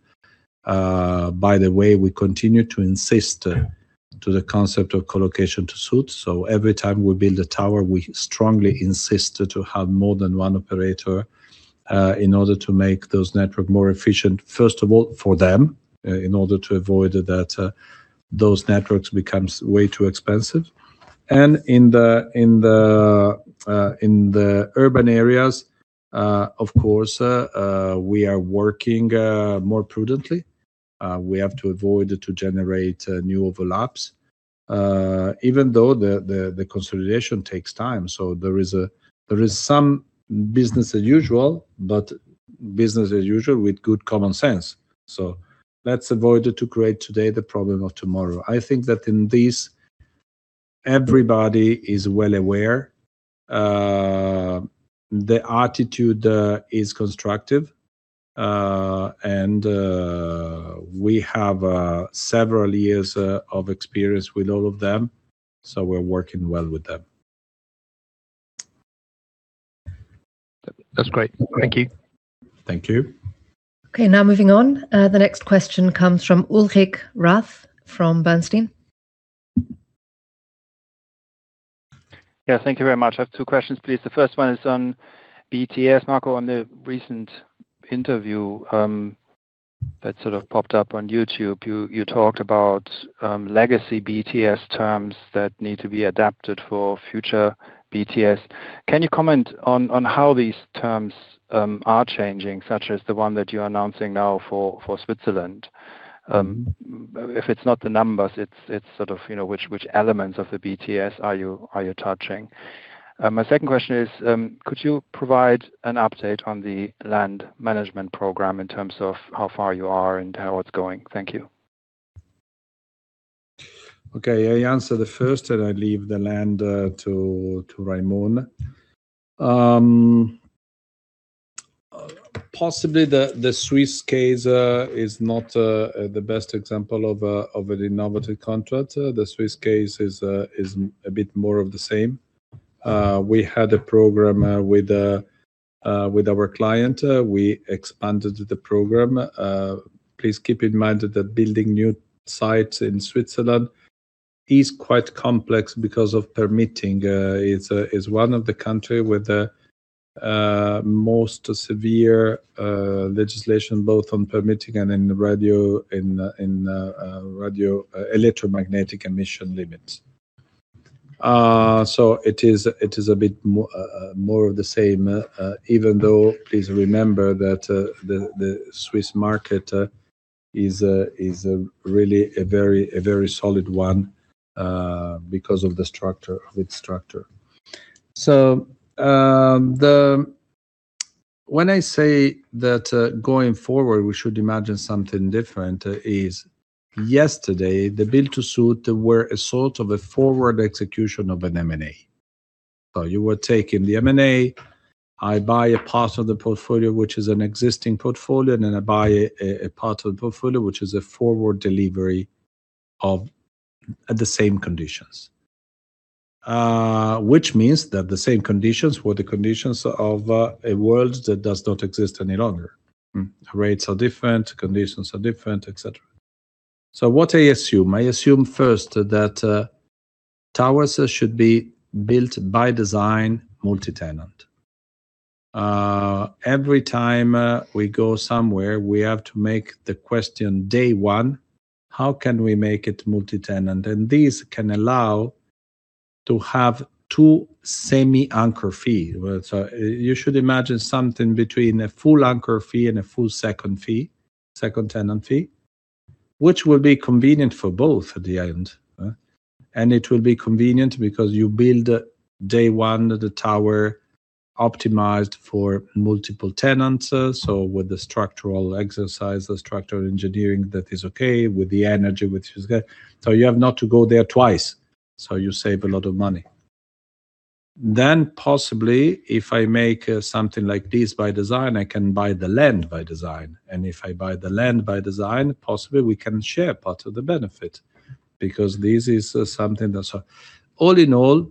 By the way, we continue to insist to the concept of co-location to suit. Every time we build a tower, we strongly insist to have more than one operator in order to make those network more efficient. First of all, for them, in order to avoid that those networks becomes way too expensive. In the urban areas, of course, we are working more prudently. We have to avoid to generate new overlaps, even though the consolidation takes time. There is some business as usual, but business as usual with good common sense. Let's avoid to create today the problem of tomorrow. I think that in this, everybody is well aware. The attitude is constructive. We have several years of experience with all of them, so we're working well with them. That's great. Thank you. Thank you. Okay, now moving on. The next question comes from Ulrich Rath from Bernstein. Yeah, thank you very much. I have two questions, please. The first one is on BTS. Marco, on the recent interview that sort of popped up on YouTube, you talked about legacy BTS terms that need to be adapted for future BTS. Can you comment on how these terms are changing, such as the one that you're announcing now for Switzerland? If it's not the numbers, it's sort of which elements of the BTS are you touching? My second question is could you provide an update on the land management program in terms of how far you are and how it's going? Thank you. Okay. I answer the first. I leave the land to Raimon. Possibly the Swiss case is not the best example of an innovative contract. The Swiss case is a bit more of the same. We had a program with our client. We expanded the program. Please keep in mind that building new sites in Switzerland is quite complex because of permitting. It's one of the country with most severe legislation, both on permitting and in electromagnetic emission limits. It is a bit more of the same, even though please remember that the Swiss market is really a very solid one because of its structure. When I say that going forward, we should imagine something different is yesterday, the build-to-suit were a sort of a forward execution of an M&A. You were taking the M&A. I buy a part of the portfolio, which is an existing portfolio. I buy a part of the portfolio, which is a forward delivery at the same conditions. Which means that the same conditions were the conditions of a world that does not exist any longer. Rates are different, conditions are different, et cetera. What I assume, I assume first that towers should be built by design multi-tenant. Every time we go somewhere, we have to make the question day one, how can we make it multi-tenant? This can allow to have two semi-anchor fee. You should imagine something between a full anchor fee and a full second tenant fee, which will be convenient for both at the end. It will be convenient because you build day one the tower optimized for multiple tenants. With the structural exercise, the structural engineering that is okay, with the energy, which is good. You have not to go there twice, so you save a lot of money. Possibly, if I make something like this by design, I can buy the land by design. If I buy the land by design, possibly we can share part of the benefit because this is something that's. All in all,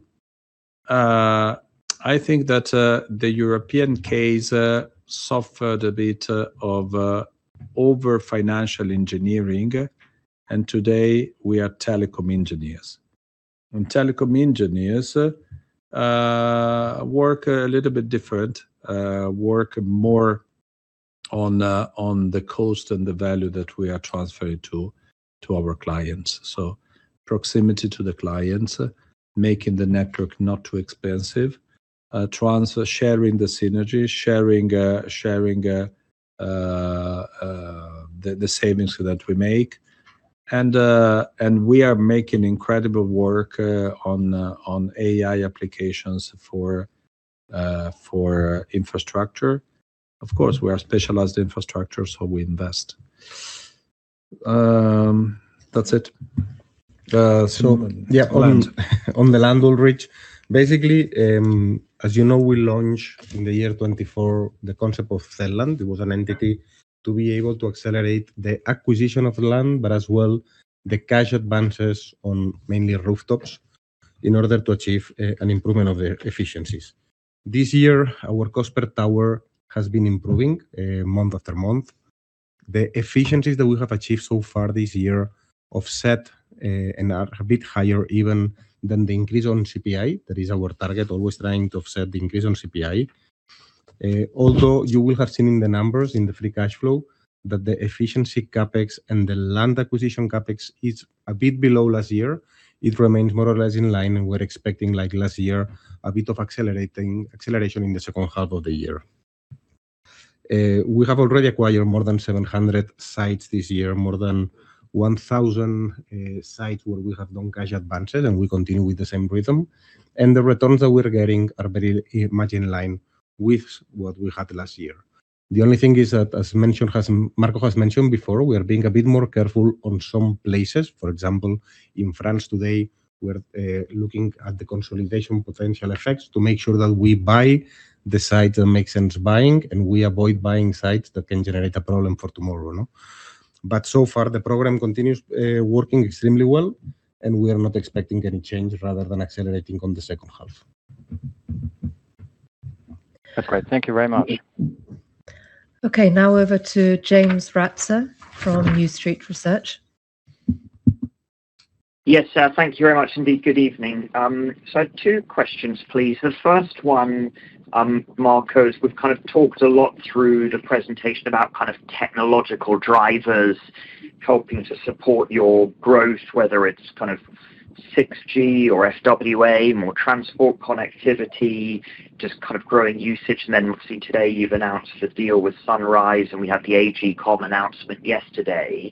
I think that the European case suffered a bit of over-financial engineering, and today we are telecom engineers. Telecom engineers work a little bit different, work more on the cost and the value that we are transferring to our clients. Proximity to the clients, making the network not too expensive, transfer, sharing the synergy, sharing the savings that we make. We are making incredible work on AI applications for infrastructure. Of course, we are specialized infrastructure, so we invest. That's it. On the land, Ulrich. As you know, we launched in the year 2024 the concept of Celland. It was an entity to be able to accelerate the acquisition of land, but as well, the cash advances on mainly rooftops in order to achieve an improvement of the efficiencies. This year, our cost per tower has been improving month after month. The efficiencies that we have achieved so far this year offset and are a bit higher even than the increase on CPI. That is our target, always trying to offset the increase on CPI. Although you will have seen in the numbers in the free cash flow that the efficiency CapEx and the land acquisition CapEx is a bit below last year. It remains more or less in line, and we're expecting like last year, a bit of acceleration in the second half of the year. We have already acquired more than 700 sites this year, more than 1,000 sites where we have done cash advances, and we continue with the same rhythm. The returns that we're getting are very much in line with what we had last year. The only thing is that, as Marco has mentioned before, we are being a bit more careful on some places. For example, in France today, we're looking at the consolidation potential effects to make sure that we buy the sites that make sense buying, and we avoid buying sites that can generate a problem for tomorrow. So far, the program continues working extremely well, and we are not expecting any change rather than accelerating on the second half. That's great. Thank you very much. Okay, now over to James Ratzer from New Street Research. Yes. Thank you very much indeed. Good evening. Two questions, please. The first one, Marco, is we've kind of talked a lot through the presentation about kind of technological drivers helping to support your growth, whether it's kind of 6G or FWA, more transport connectivity, just kind of growing usage. Obviously today you've announced the deal with Sunrise, and we had the AGCOM announcement yesterday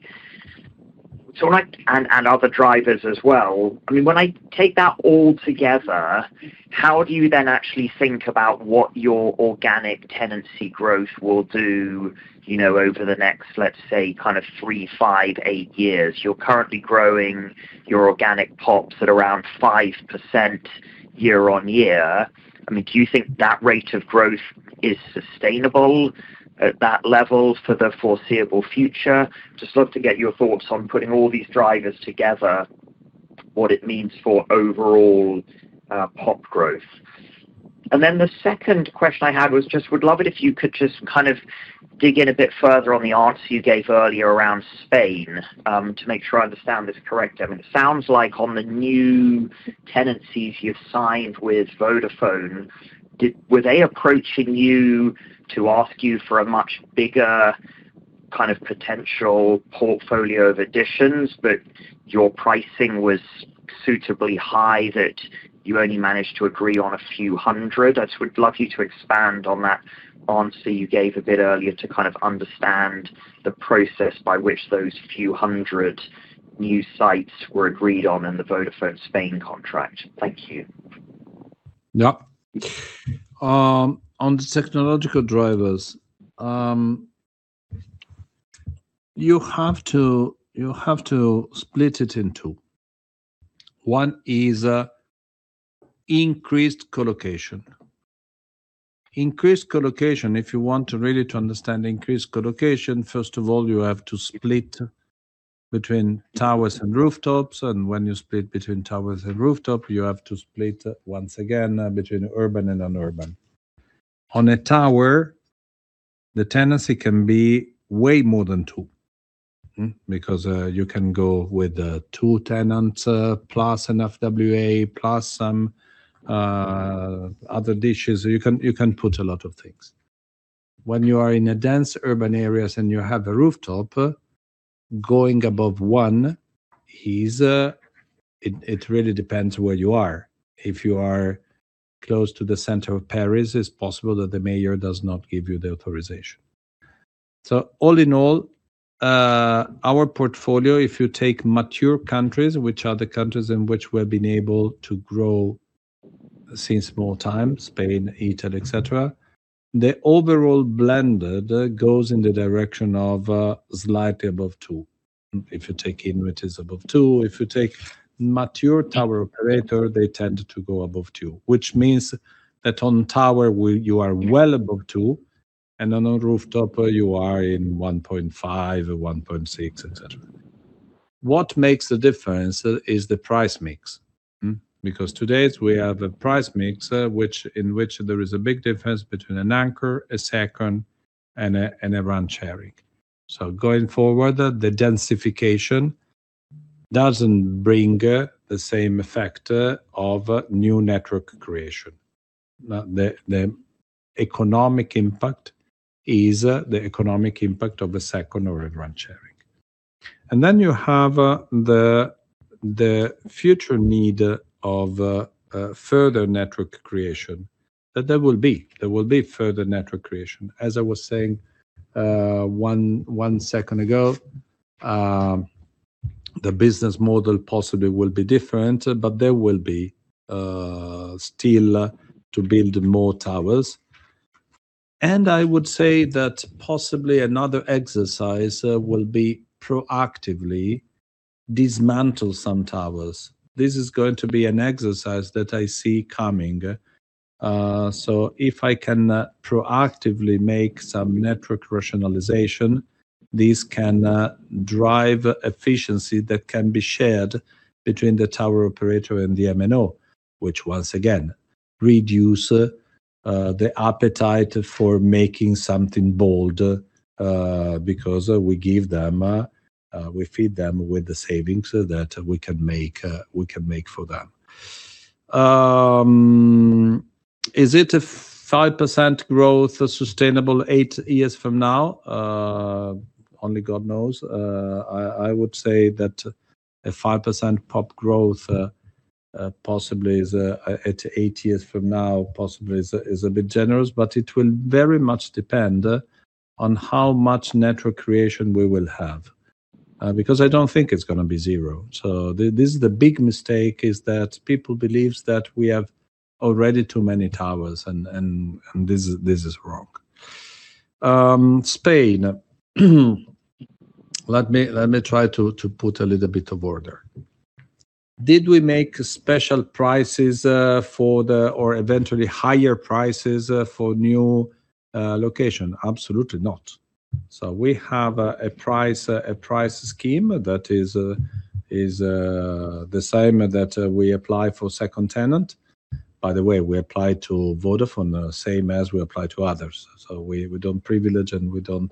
and other drivers as well. When I take that all together, how do you then actually think about what your organic tenancy growth will do over the next, let's say, kind of three, five, eight years? You're currently growing your organic PoPs at around 5% year-on-year. Do you think that rate of growth is sustainable at that level for the foreseeable future? I just love to get your thoughts on putting all these drivers together, what it means for overall PoP growth. The second question I had was just, would love it if you could just dig in a bit further on the answer you gave earlier around Spain, to make sure I understand this correctly. It sounds like on the new tenancies you've signed with Vodafone, were they approaching you to ask you for a much bigger potential portfolio of additions, but your pricing was suitably high that you only managed to agree on a few hundred? I just would love you to expand on that answer you gave a bit earlier to understand the process by which those few hundred new sites were agreed on in the Vodafone España contract. Thank you. On the technological drivers, you have to split it in two. One is increased colocation. Increased colocation, if you want to really to understand increased colocation, first of all, you have to split between towers and rooftops, and when you split between towers and rooftop, you have to split once again between urban and non-urban. On a tower, the tenancy can be way more than two. Because you can go with two tenants, plus an FWA, plus some other dishes. You can put a lot of things. When you are in a dense urban areas and you have a rooftop, going above one, it really depends where you are. If you are close to the center of Paris, it's possible that the mayor does not give you the authorization. All in all, our portfolio, if you take mature countries, which are the countries in which we've been able to grow since more time, Spain, Italy, et cetera. The overall blended goes in the direction of slightly above two. If you take Inwit, it is above two. If you take mature tower operator, they tend to go above two. Which means that on tower, you are well above two, and on a rooftop, you are in 1.5 or 1.6, et cetera. What makes the difference is the price mix. Today we have a price mix in which there is a big difference between an anchor, a second, and a rent sharing. Going forward, the densification doesn't bring the same effect of new network creation. The economic impact is the economic impact of a second or a rent sharing. You have the future need of further network creation. There will be further network creation. As I was saying one second ago, the business model possibly will be different, but there will be still to build more towers. I would say that possibly another exercise will be proactively dismantle some towers. This is going to be an exercise that I see coming. If I can proactively make some network rationalization, this can drive efficiency that can be shared between the tower operator and the MNO, which once again, reduce the appetite for making something bold, because we feed them with the savings that we can make for them. Is it a 5% growth sustainable eight years from now? Only God knows. I would say that a 5% PoP growth possibly is, at eight years from now, possibly is a bit generous, but it will very much depend on how much network creation we will have. I don't think it's going to be zero. This is the big mistake, is that people believes that we have already too many towers, and this is wrong. Spain. Let me try to put a little bit of order. Did we make special prices, or eventually higher prices, for new location? Absolutely not. We have a price scheme that is the same that we apply for second tenant. By the way, we apply to Vodafone the same as we apply to others. We don't privilege and we don't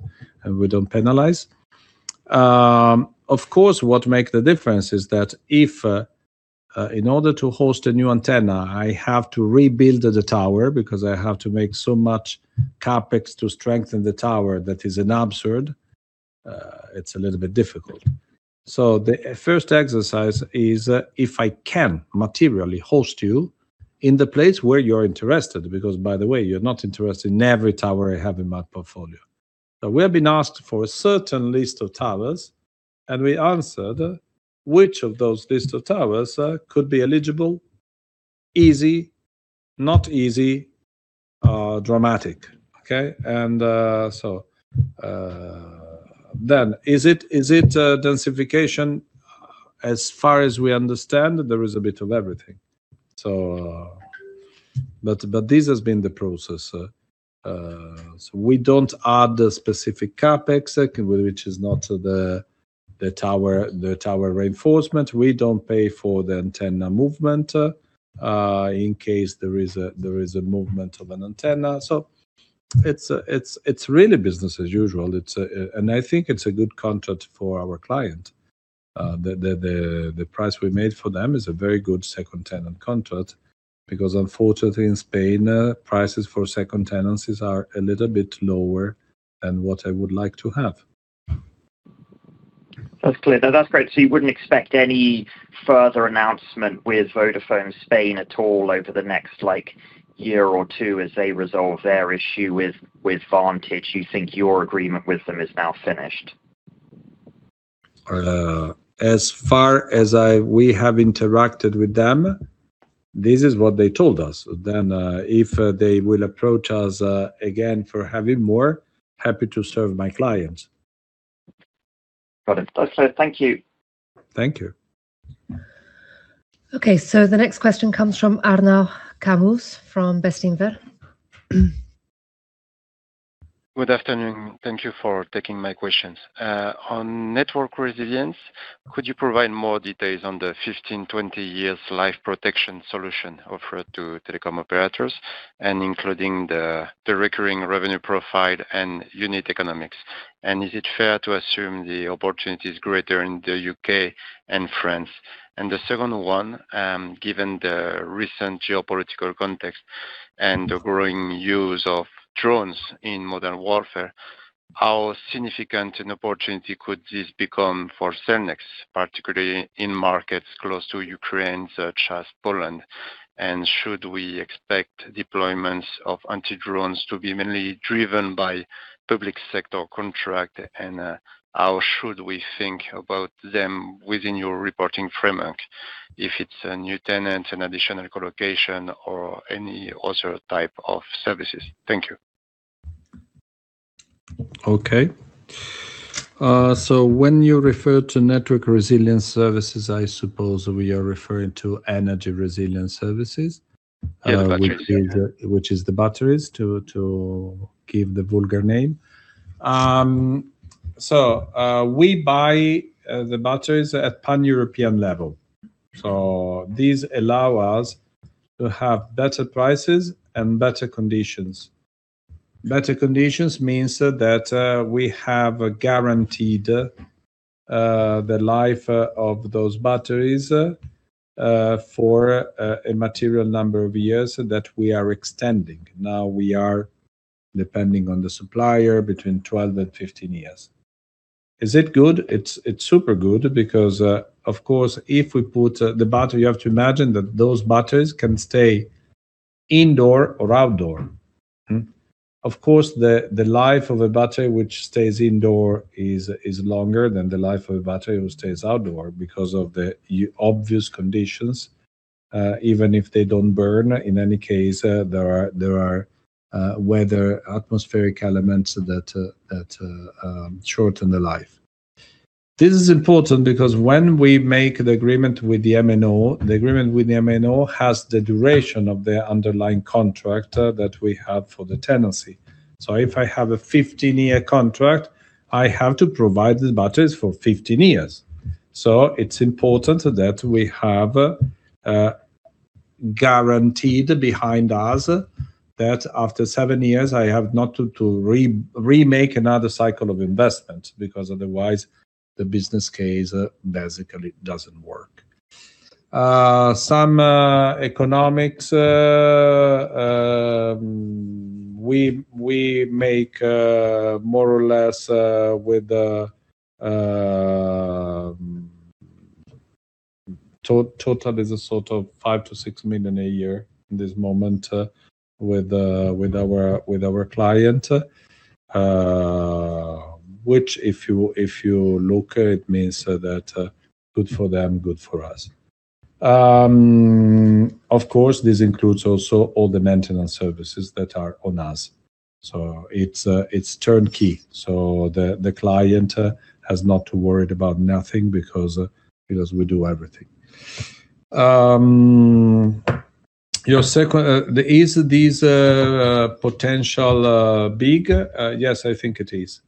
penalize. Of course, what make the difference is that if, in order to host a new antenna, I have to rebuild the tower because I have to make so much CapEx to strengthen the tower that is an absurd, it's a little bit difficult. The first exercise is if I can materially host you in the place where you're interested, because by the way, you're not interested in every tower I have in my portfolio. We have been asked for a certain list of towers, and we answered which of those list of towers could be eligible, easy, not easy Are dramatic. Okay? Is it densification? As far as we understand, there is a bit of everything. This has been the process. We don't add the specific CapEx, which is not the tower reinforcement. We don't pay for the antenna movement, in case there is a movement of an antenna. It's really business as usual. I think it's a good contract for our client. The price we made for them is a very good second tenant contract because unfortunately in Spain, prices for second tenancies are a little bit lower than what I would like to have. That's clear. No, that's great. You wouldn't expect any further announcement with Vodafone España at all over the next year or two as they resolve their issue with Vantage? You think your agreement with them is now finished? As far as we have interacted with them, this is what they told us. If they will approach us again for having more, happy to serve my clients. Got it. That's clear. Thank you. Thank you. The next question comes from Arnaud Camus from Bestinver. Good afternoon. Thank you for taking my questions. On network resilience, could you provide more details on the 15-20 years life protection solution offered to telecom operators, including the recurring revenue profile and unit economics? Is it fair to assume the opportunity is greater in the U.K. and France? The second one, given the recent geopolitical context and the growing use of drones in modern warfare, how significant an opportunity could this become for Cellnex, particularly in markets close to Ukraine, such as Poland? Should we expect deployments of anti-drones to be mainly driven by public sector contract, and how should we think about them within your reporting framework, if it's a new tenant, an additional collocation, or any other type of services? Thank you. Okay. When you refer to network resilience services, I suppose we are referring to energy resilience services- Yes, batteries which is the batteries, to give the vulgar name. We buy the batteries at pan-European level. These allow us to have better prices and better conditions. Better conditions means that we have guaranteed the life of those batteries for a material number of years that we are extending. Now we are depending on the supplier between 12 and 15 years. Is it good? It is super good because, of course, if we put the battery, you have to imagine that those batteries can stay indoor or outdoor. Of course, the life of a battery which stays indoor is longer than the life of a battery which stays outdoor because of the obvious conditions, even if they do not burn, in any case, there are weather, atmospheric elements that shorten the life. This is important because when we make the agreement with the MNO, the agreement with the MNO has the duration of the underlying contract that we have for the tenancy. If I have a 15-year contract, I have to provide the batteries for 15 years. It is important that we have guaranteed behind us that after seven years, I have not to remake another cycle of investment, because otherwise the business case basically does not work. Some economics, we make more or less with the total is a sort of 5 million to 6 million a year in this moment with our client. If you look, it means that good for them, good for us. Of course, this includes also all the maintenance services that are on us. It is turnkey. The client has not to worry about nothing because we do everything. Your second, is this potential big? Yes, I think it is.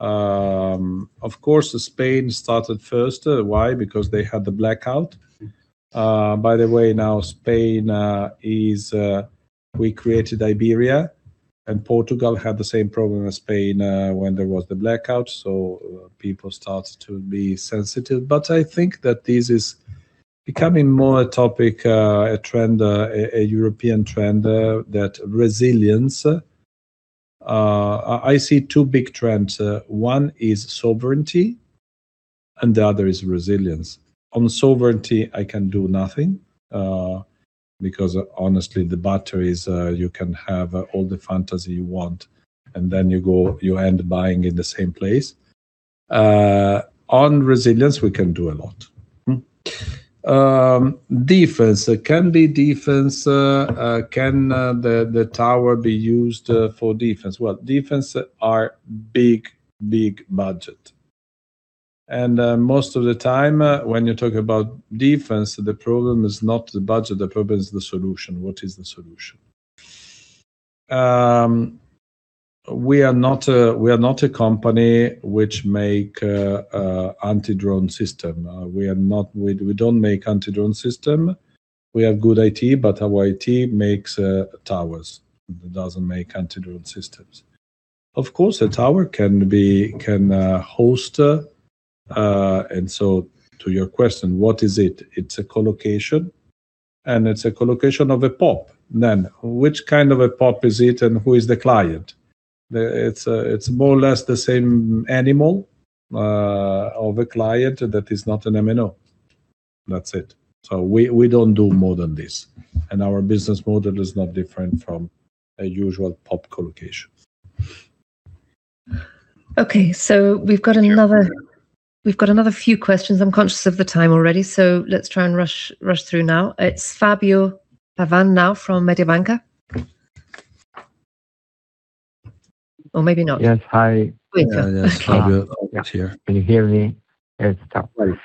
Of course, Spain started first. Why? They had the blackout. By the way, now Spain is, we created Iberia, and Portugal had the same problem as Spain when there was the blackout. People started to be sensitive. I think that this is becoming more a topic, a trend, a European trend, that resilience. I see two big trends. One is sovereignty and the other is resilience. On sovereignty, I can do nothing, because honestly, the batteries, you can have all the fantasy you want, and then you end buying in the same place. On resilience, we can do a lot. Defense. Can the tower be used for defense? Well, defense are big budget. Most of the time when you talk about defense, the problem is not the budget, the problem is the solution. What is the solution? We are not a company which make anti-drone system. We don't make anti-drone system. We have good IT, but our IT makes towers. It doesn't make anti-drone systems. Of course, a tower can host. To your question, what is it? It's a colocation, and it's a colocation of a PoP. Which kind of a PoP is it, and who is the client? It's more or less the same animal of a client that is not an MNO. That's it. We don't do more than this, and our business model is not different from a usual PoP colocation. Okay. We've got another few questions. I'm conscious of the time already, let's try and rush through now. It's Fabio Pavan now from Mediobanca. Or maybe not. Yes. Hi. Yeah. Yes, Fabio. It's here. Can you hear me? It's tough. Yes.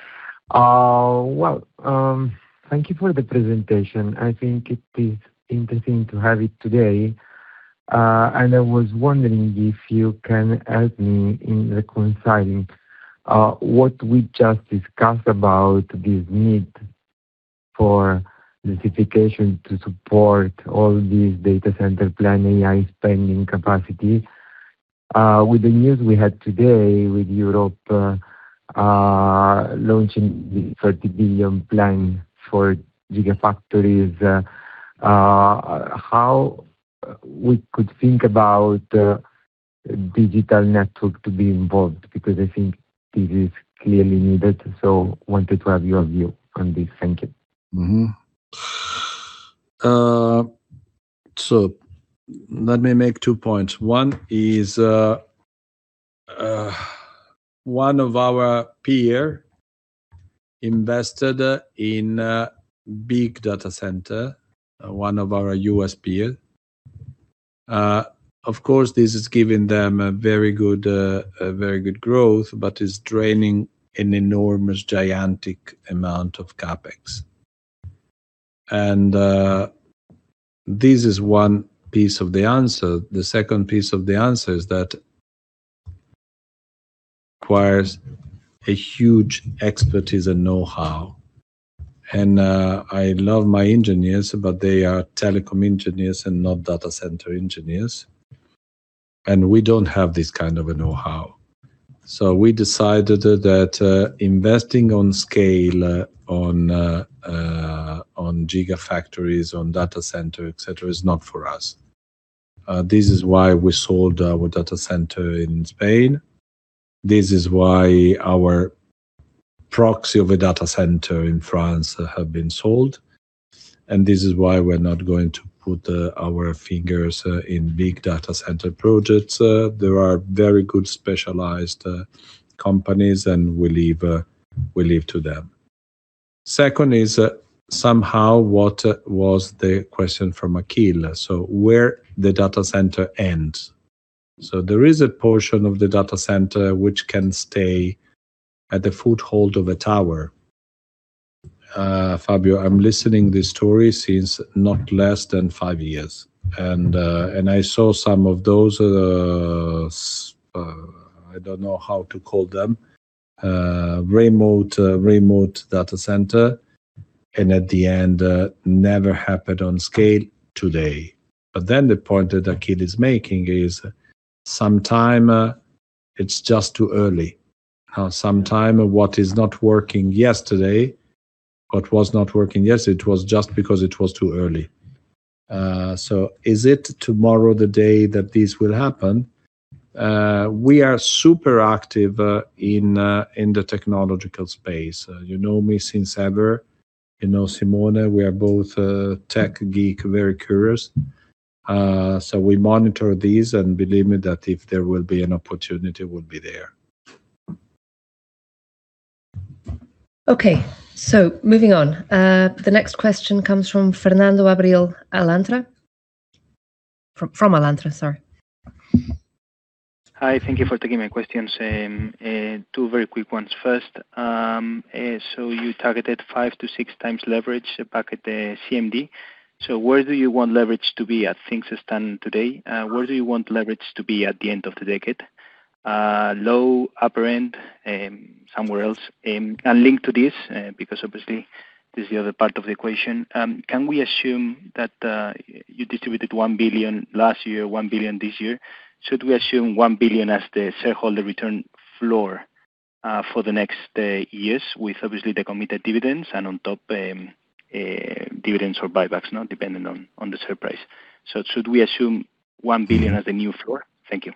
Well, thank you for the presentation. I think it is interesting to have it today. I was wondering if you can help me in reconciling what we just discussed about this need for densification to support all these data center plan, AI spending capacity, with the news we had today with Europe launching the 30 billion plan for gigafactories, how we could think about digital network to be involved, because I think this is clearly needed, so wanted to have your view on this. Thank you. Let me make two points. One is, one of our peer invested in a big data center, one of our U.S. peer. Of course, this has given them a very good growth, but is draining an enormous gigantic amount of CapEx. This is one piece of the answer. The second piece of the answer is that requires a huge expertise and know-how, and I love my engineers, but they are telecom engineers and not data center engineers, and we don't have this kind of a know-how. We decided that investing on scale on gigafactories, on data center, et cetera, is not for us. This is why we sold our data center in Spain. This is why our proxy of a data center in France have been sold, and this is why we're not going to put our fingers in big data center projects. There are very good specialized companies, and we leave to them. Second is, somehow what was the question from Akhil. Where the data center ends. There is a portion of the data center which can stay at the foothold of a tower. Fabio, I'm listening this story since not less than five years. I saw some of those, I don't know how to call them, remote data center, and at the end, never happened on scale today. The point that Akhil is making is sometime it's just too early, how sometime what is not working yesterday, it was just because it was too early. Is it tomorrow the day that this will happen? We are super active in the technological space. You know me since ever, you know Simone, we are both tech geek, very curious. We monitor this and believe me that if there will be an opportunity, we'll be there. Okay. Moving on. The next question comes from Fernando Abril-Martorell from Alantra, sorry. Hi. Thank you for taking my questions. Two very quick ones. First, you targeted five to six times leverage back at the CMD. Where do you want leverage to be as things stand today? Where do you want leverage to be at the end of the decade? Low, upper end, somewhere else? Linked to this, because obviously this is the other part of the equation, can we assume that you distributed 1 billion last year, 1 billion this year, should we assume 1 billion as the shareholder return floor for the next years with obviously the committed dividends and on top, dividends or buybacks now depending on the share price. Should we assume 1 billion as the new floor? Thank you.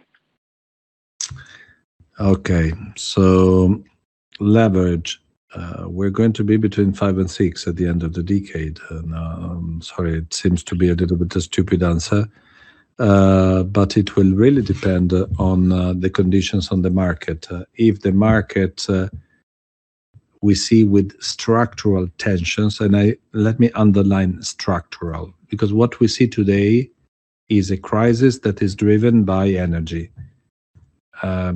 Okay. leverage, we're going to be between five and six at the end of the decade. Sorry, it seems to be a little bit of a stupid answer, but it will really depend on the conditions on the market. If the market we see with structural tensions, let me underline structural, because what we see today is a crisis that is driven by energy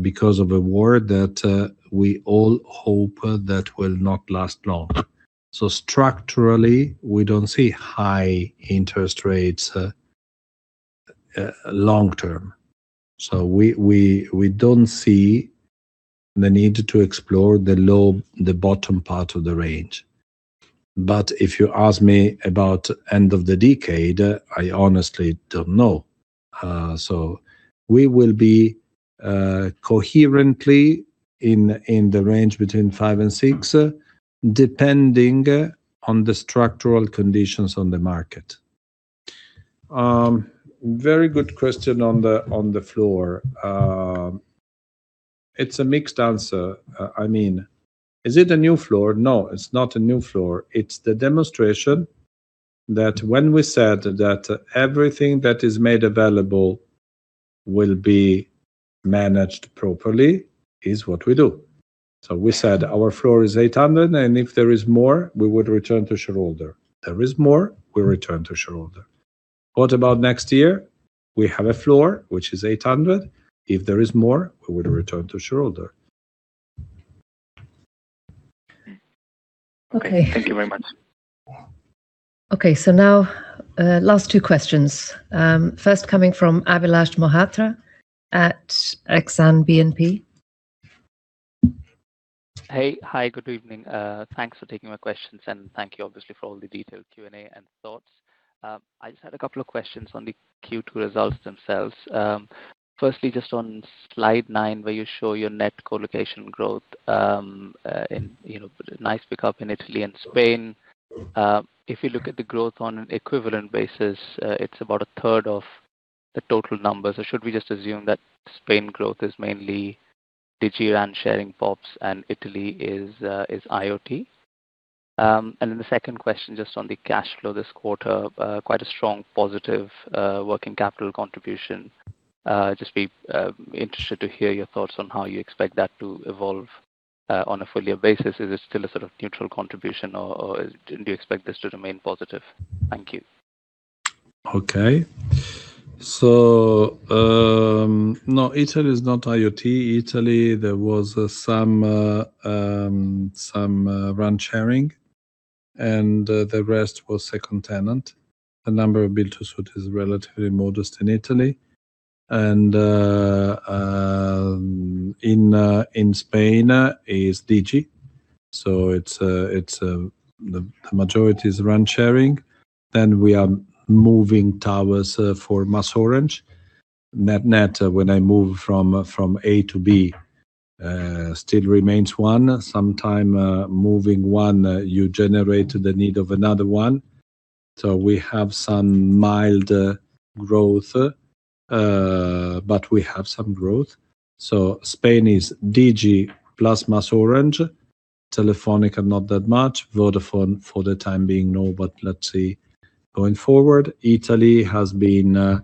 because of a war that we all hope that will not last long. Structurally, we don't see high interest rates long-term. We don't see the need to explore the bottom part of the range. If you ask me about end of the decade, I honestly don't know. We will be coherently in the range between five and six, depending on the structural conditions on the market. Very good question on the floor. It's a mixed answer. Is it a new floor? No, it's not a new floor. It's the demonstration that when we said that everything that is made available will be managed properly is what we do. We said our floor is 800, and if there is more, we would return to shareholder. There is more, we return to shareholder. What about next year? We have a floor, which is 800. If there is more, we would return to shareholder. Okay. Thank you very much. Last two questions. First coming from Abhilash Mohapatra at Exane BNP. Hi, good evening. Thanks for taking my questions, and thank you obviously for all the detailed Q&A and thoughts. I just had a couple of questions on the Q2 results themselves. Firstly, just on slide nine where you show your net colocation growth, nice pick-up in Italy and Spain. If you look at the growth on an equivalent basis, it's about a third of the total numbers, or should we just assume that Spain growth is mainly Digi RAN sharing PoPs and Italy is IoT? The second question, just on the cash flow this quarter. Quite a strong positive working capital contribution. Just be interested to hear your thoughts on how you expect that to evolve on a full year basis. Is it still a sort of neutral contribution, or do you expect this to remain positive? Thank you. Italy is not IoT. Italy, there was some RAN sharing, and the rest was second tenant. The number of build-to-suit is relatively modest in Italy. In Spain is Digi. The majority is RAN sharing. We are moving towers for MasOrange. Net when I move from A to B still remains one. Sometimes moving one, you generate the need of another one. We have some mild growth, but we have some growth. Spain is Digi plus MasOrange. Telefónica, not that much. Vodafone for the time being, no, but let's see going forward. Italy has been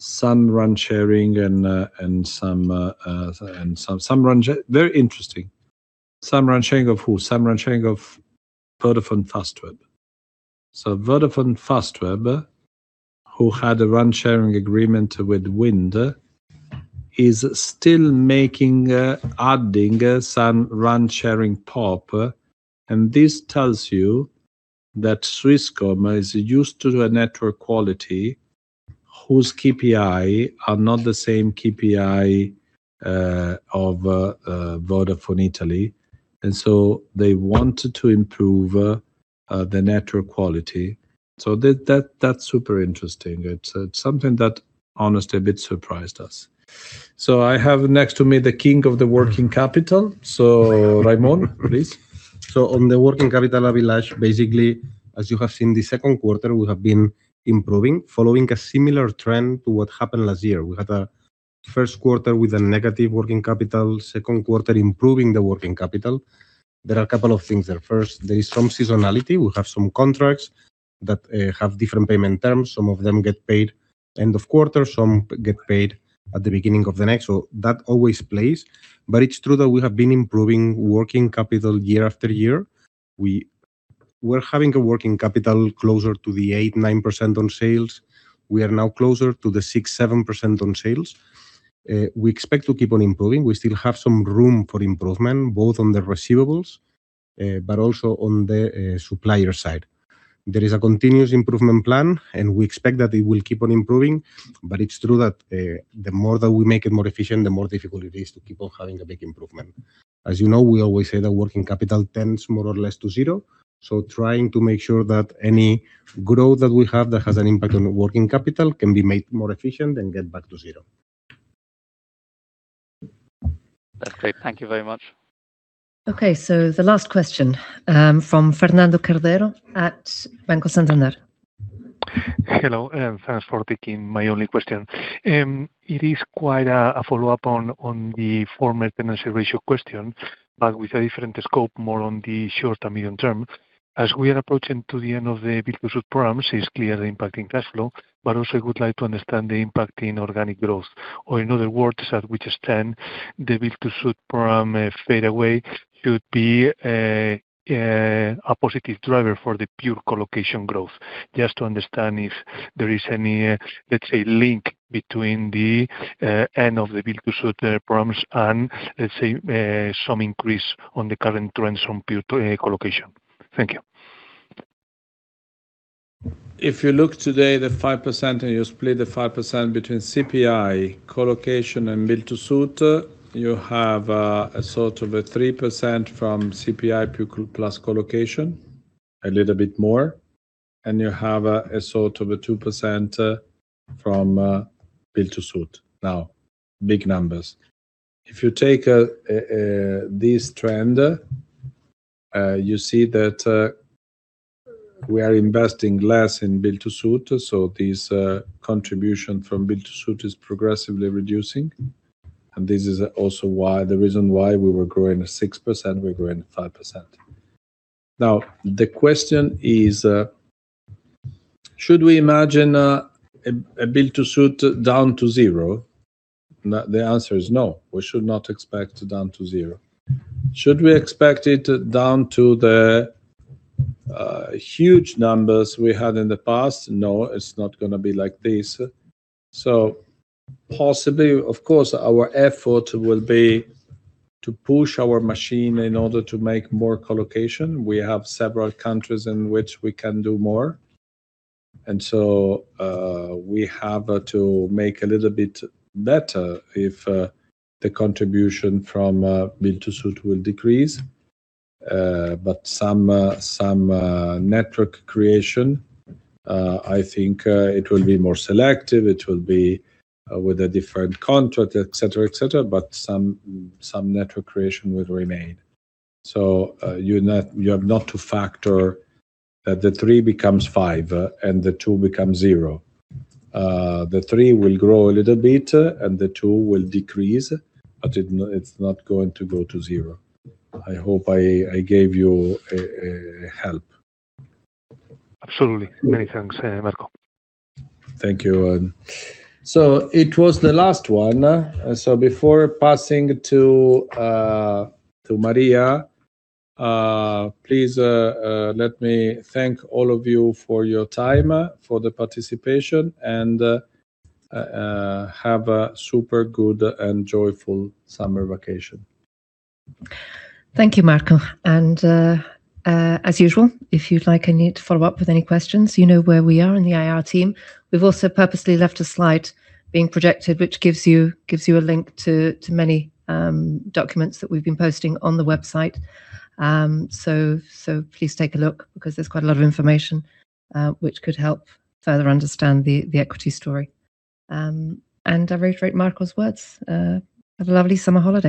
some RAN sharing. Very interesting. Some RAN sharing of who? Some RAN sharing of Vodafone Fastweb. Vodafone Fastweb, who had a RAN sharing agreement with WIND, is still adding some RAN sharing PoP. This tells you that Swisscom is used to a network quality whose KPI are not the same KPI of Vodafone Italy. They wanted to improve the network quality. That's super interesting. It's something that honestly a bit surprised us. I have next to me the king of the working capital. Raimon, please. On the working capital, Abhilash, basically as you have seen, the second quarter we have been improving following a similar trend to what happened last year. We had a first quarter with a negative working capital, second quarter improving the working capital. There are a couple of things there. First, there is some seasonality. We have some contracts that have different payment terms. Some of them get paid end of quarter, some get paid at the beginning of the next. That always plays. It's true that we have been improving working capital year after year. We were having a working capital closer to the 8%-9% on sales. We are now closer to the 6%-7% on sales. We expect to keep on improving. We still have some room for improvement, both on the receivables, but also on the supplier side. There is a continuous improvement plan, we expect that it will keep on improving. It's true that the more that we make it more efficient, the more difficult it is to keep on having a big improvement. As you know, we always say that working capital tends more or less to zero. Trying to make sure that any growth that we have that has an impact on the working capital can be made more efficient and get back to zero. That's clear. Thank you very much. Okay, the last question from Fernando Cordero at Banco Santander Hello, thanks for taking my only question. It is quite a follow-up on the former tenancy ratio question, with a different scope, more on the short and medium term. As we are approaching to the end of the build-to-suit programs, it's clearly impacting cash flow, also would like to understand the impact in organic growth. In other words, at which extent the build-to-suit program fade away should be a positive driver for the pure colocation growth. Just to understand if there is any, let's say, link between the end of the build-to-suit programs, let's say, some increase on the current trends from pure colocation. Thank you. If you look today, the 5%, you split the 5% between CPI colocation and build-to-suit, you have a sort of a 3% from CPI plus colocation, a little bit more, you have a sort of a 2% from build-to-suit. Big numbers. If you take this trend, you see that we are investing less in build-to-suit, so this contribution from build-to-suit is progressively reducing. This is also the reason why we were growing at 6%, we're growing at 5%. The question is should we imagine a build-to-suit down to zero? The answer is no, we should not expect down to zero. Should we expect it down to the huge numbers we had in the past? No, it's not going to be like this. Possibly, of course, our effort will be to push our machine in order to make more colocation. We have several countries in which we can do more, we have to make a little bit better if the contribution from build-to-suit will decrease. Some network creation, I think it will be more selective, it will be with a different contract, et cetera. Some network creation will remain. You have not to factor that the three becomes five and the two becomes zero. The three will grow a little bit, and the two will decrease, but it's not going to go to zero. I hope I gave you help. Absolutely. Many thanks, Marco. Thank you. It was the last one. Before passing to Maria, please let me thank all of you for your time, for the participation, and have a super good and joyful summer vacation. Thank you, Marco. As usual, if you'd like any follow-up with any questions, you know where we are in the IR team. We've also purposely left a slide being projected, which gives you a link to many documents that we've been posting on the website. Please take a look, because there's quite a lot of information which could help further understand the equity story. I reiterate Marco's words, have a lovely summer holiday.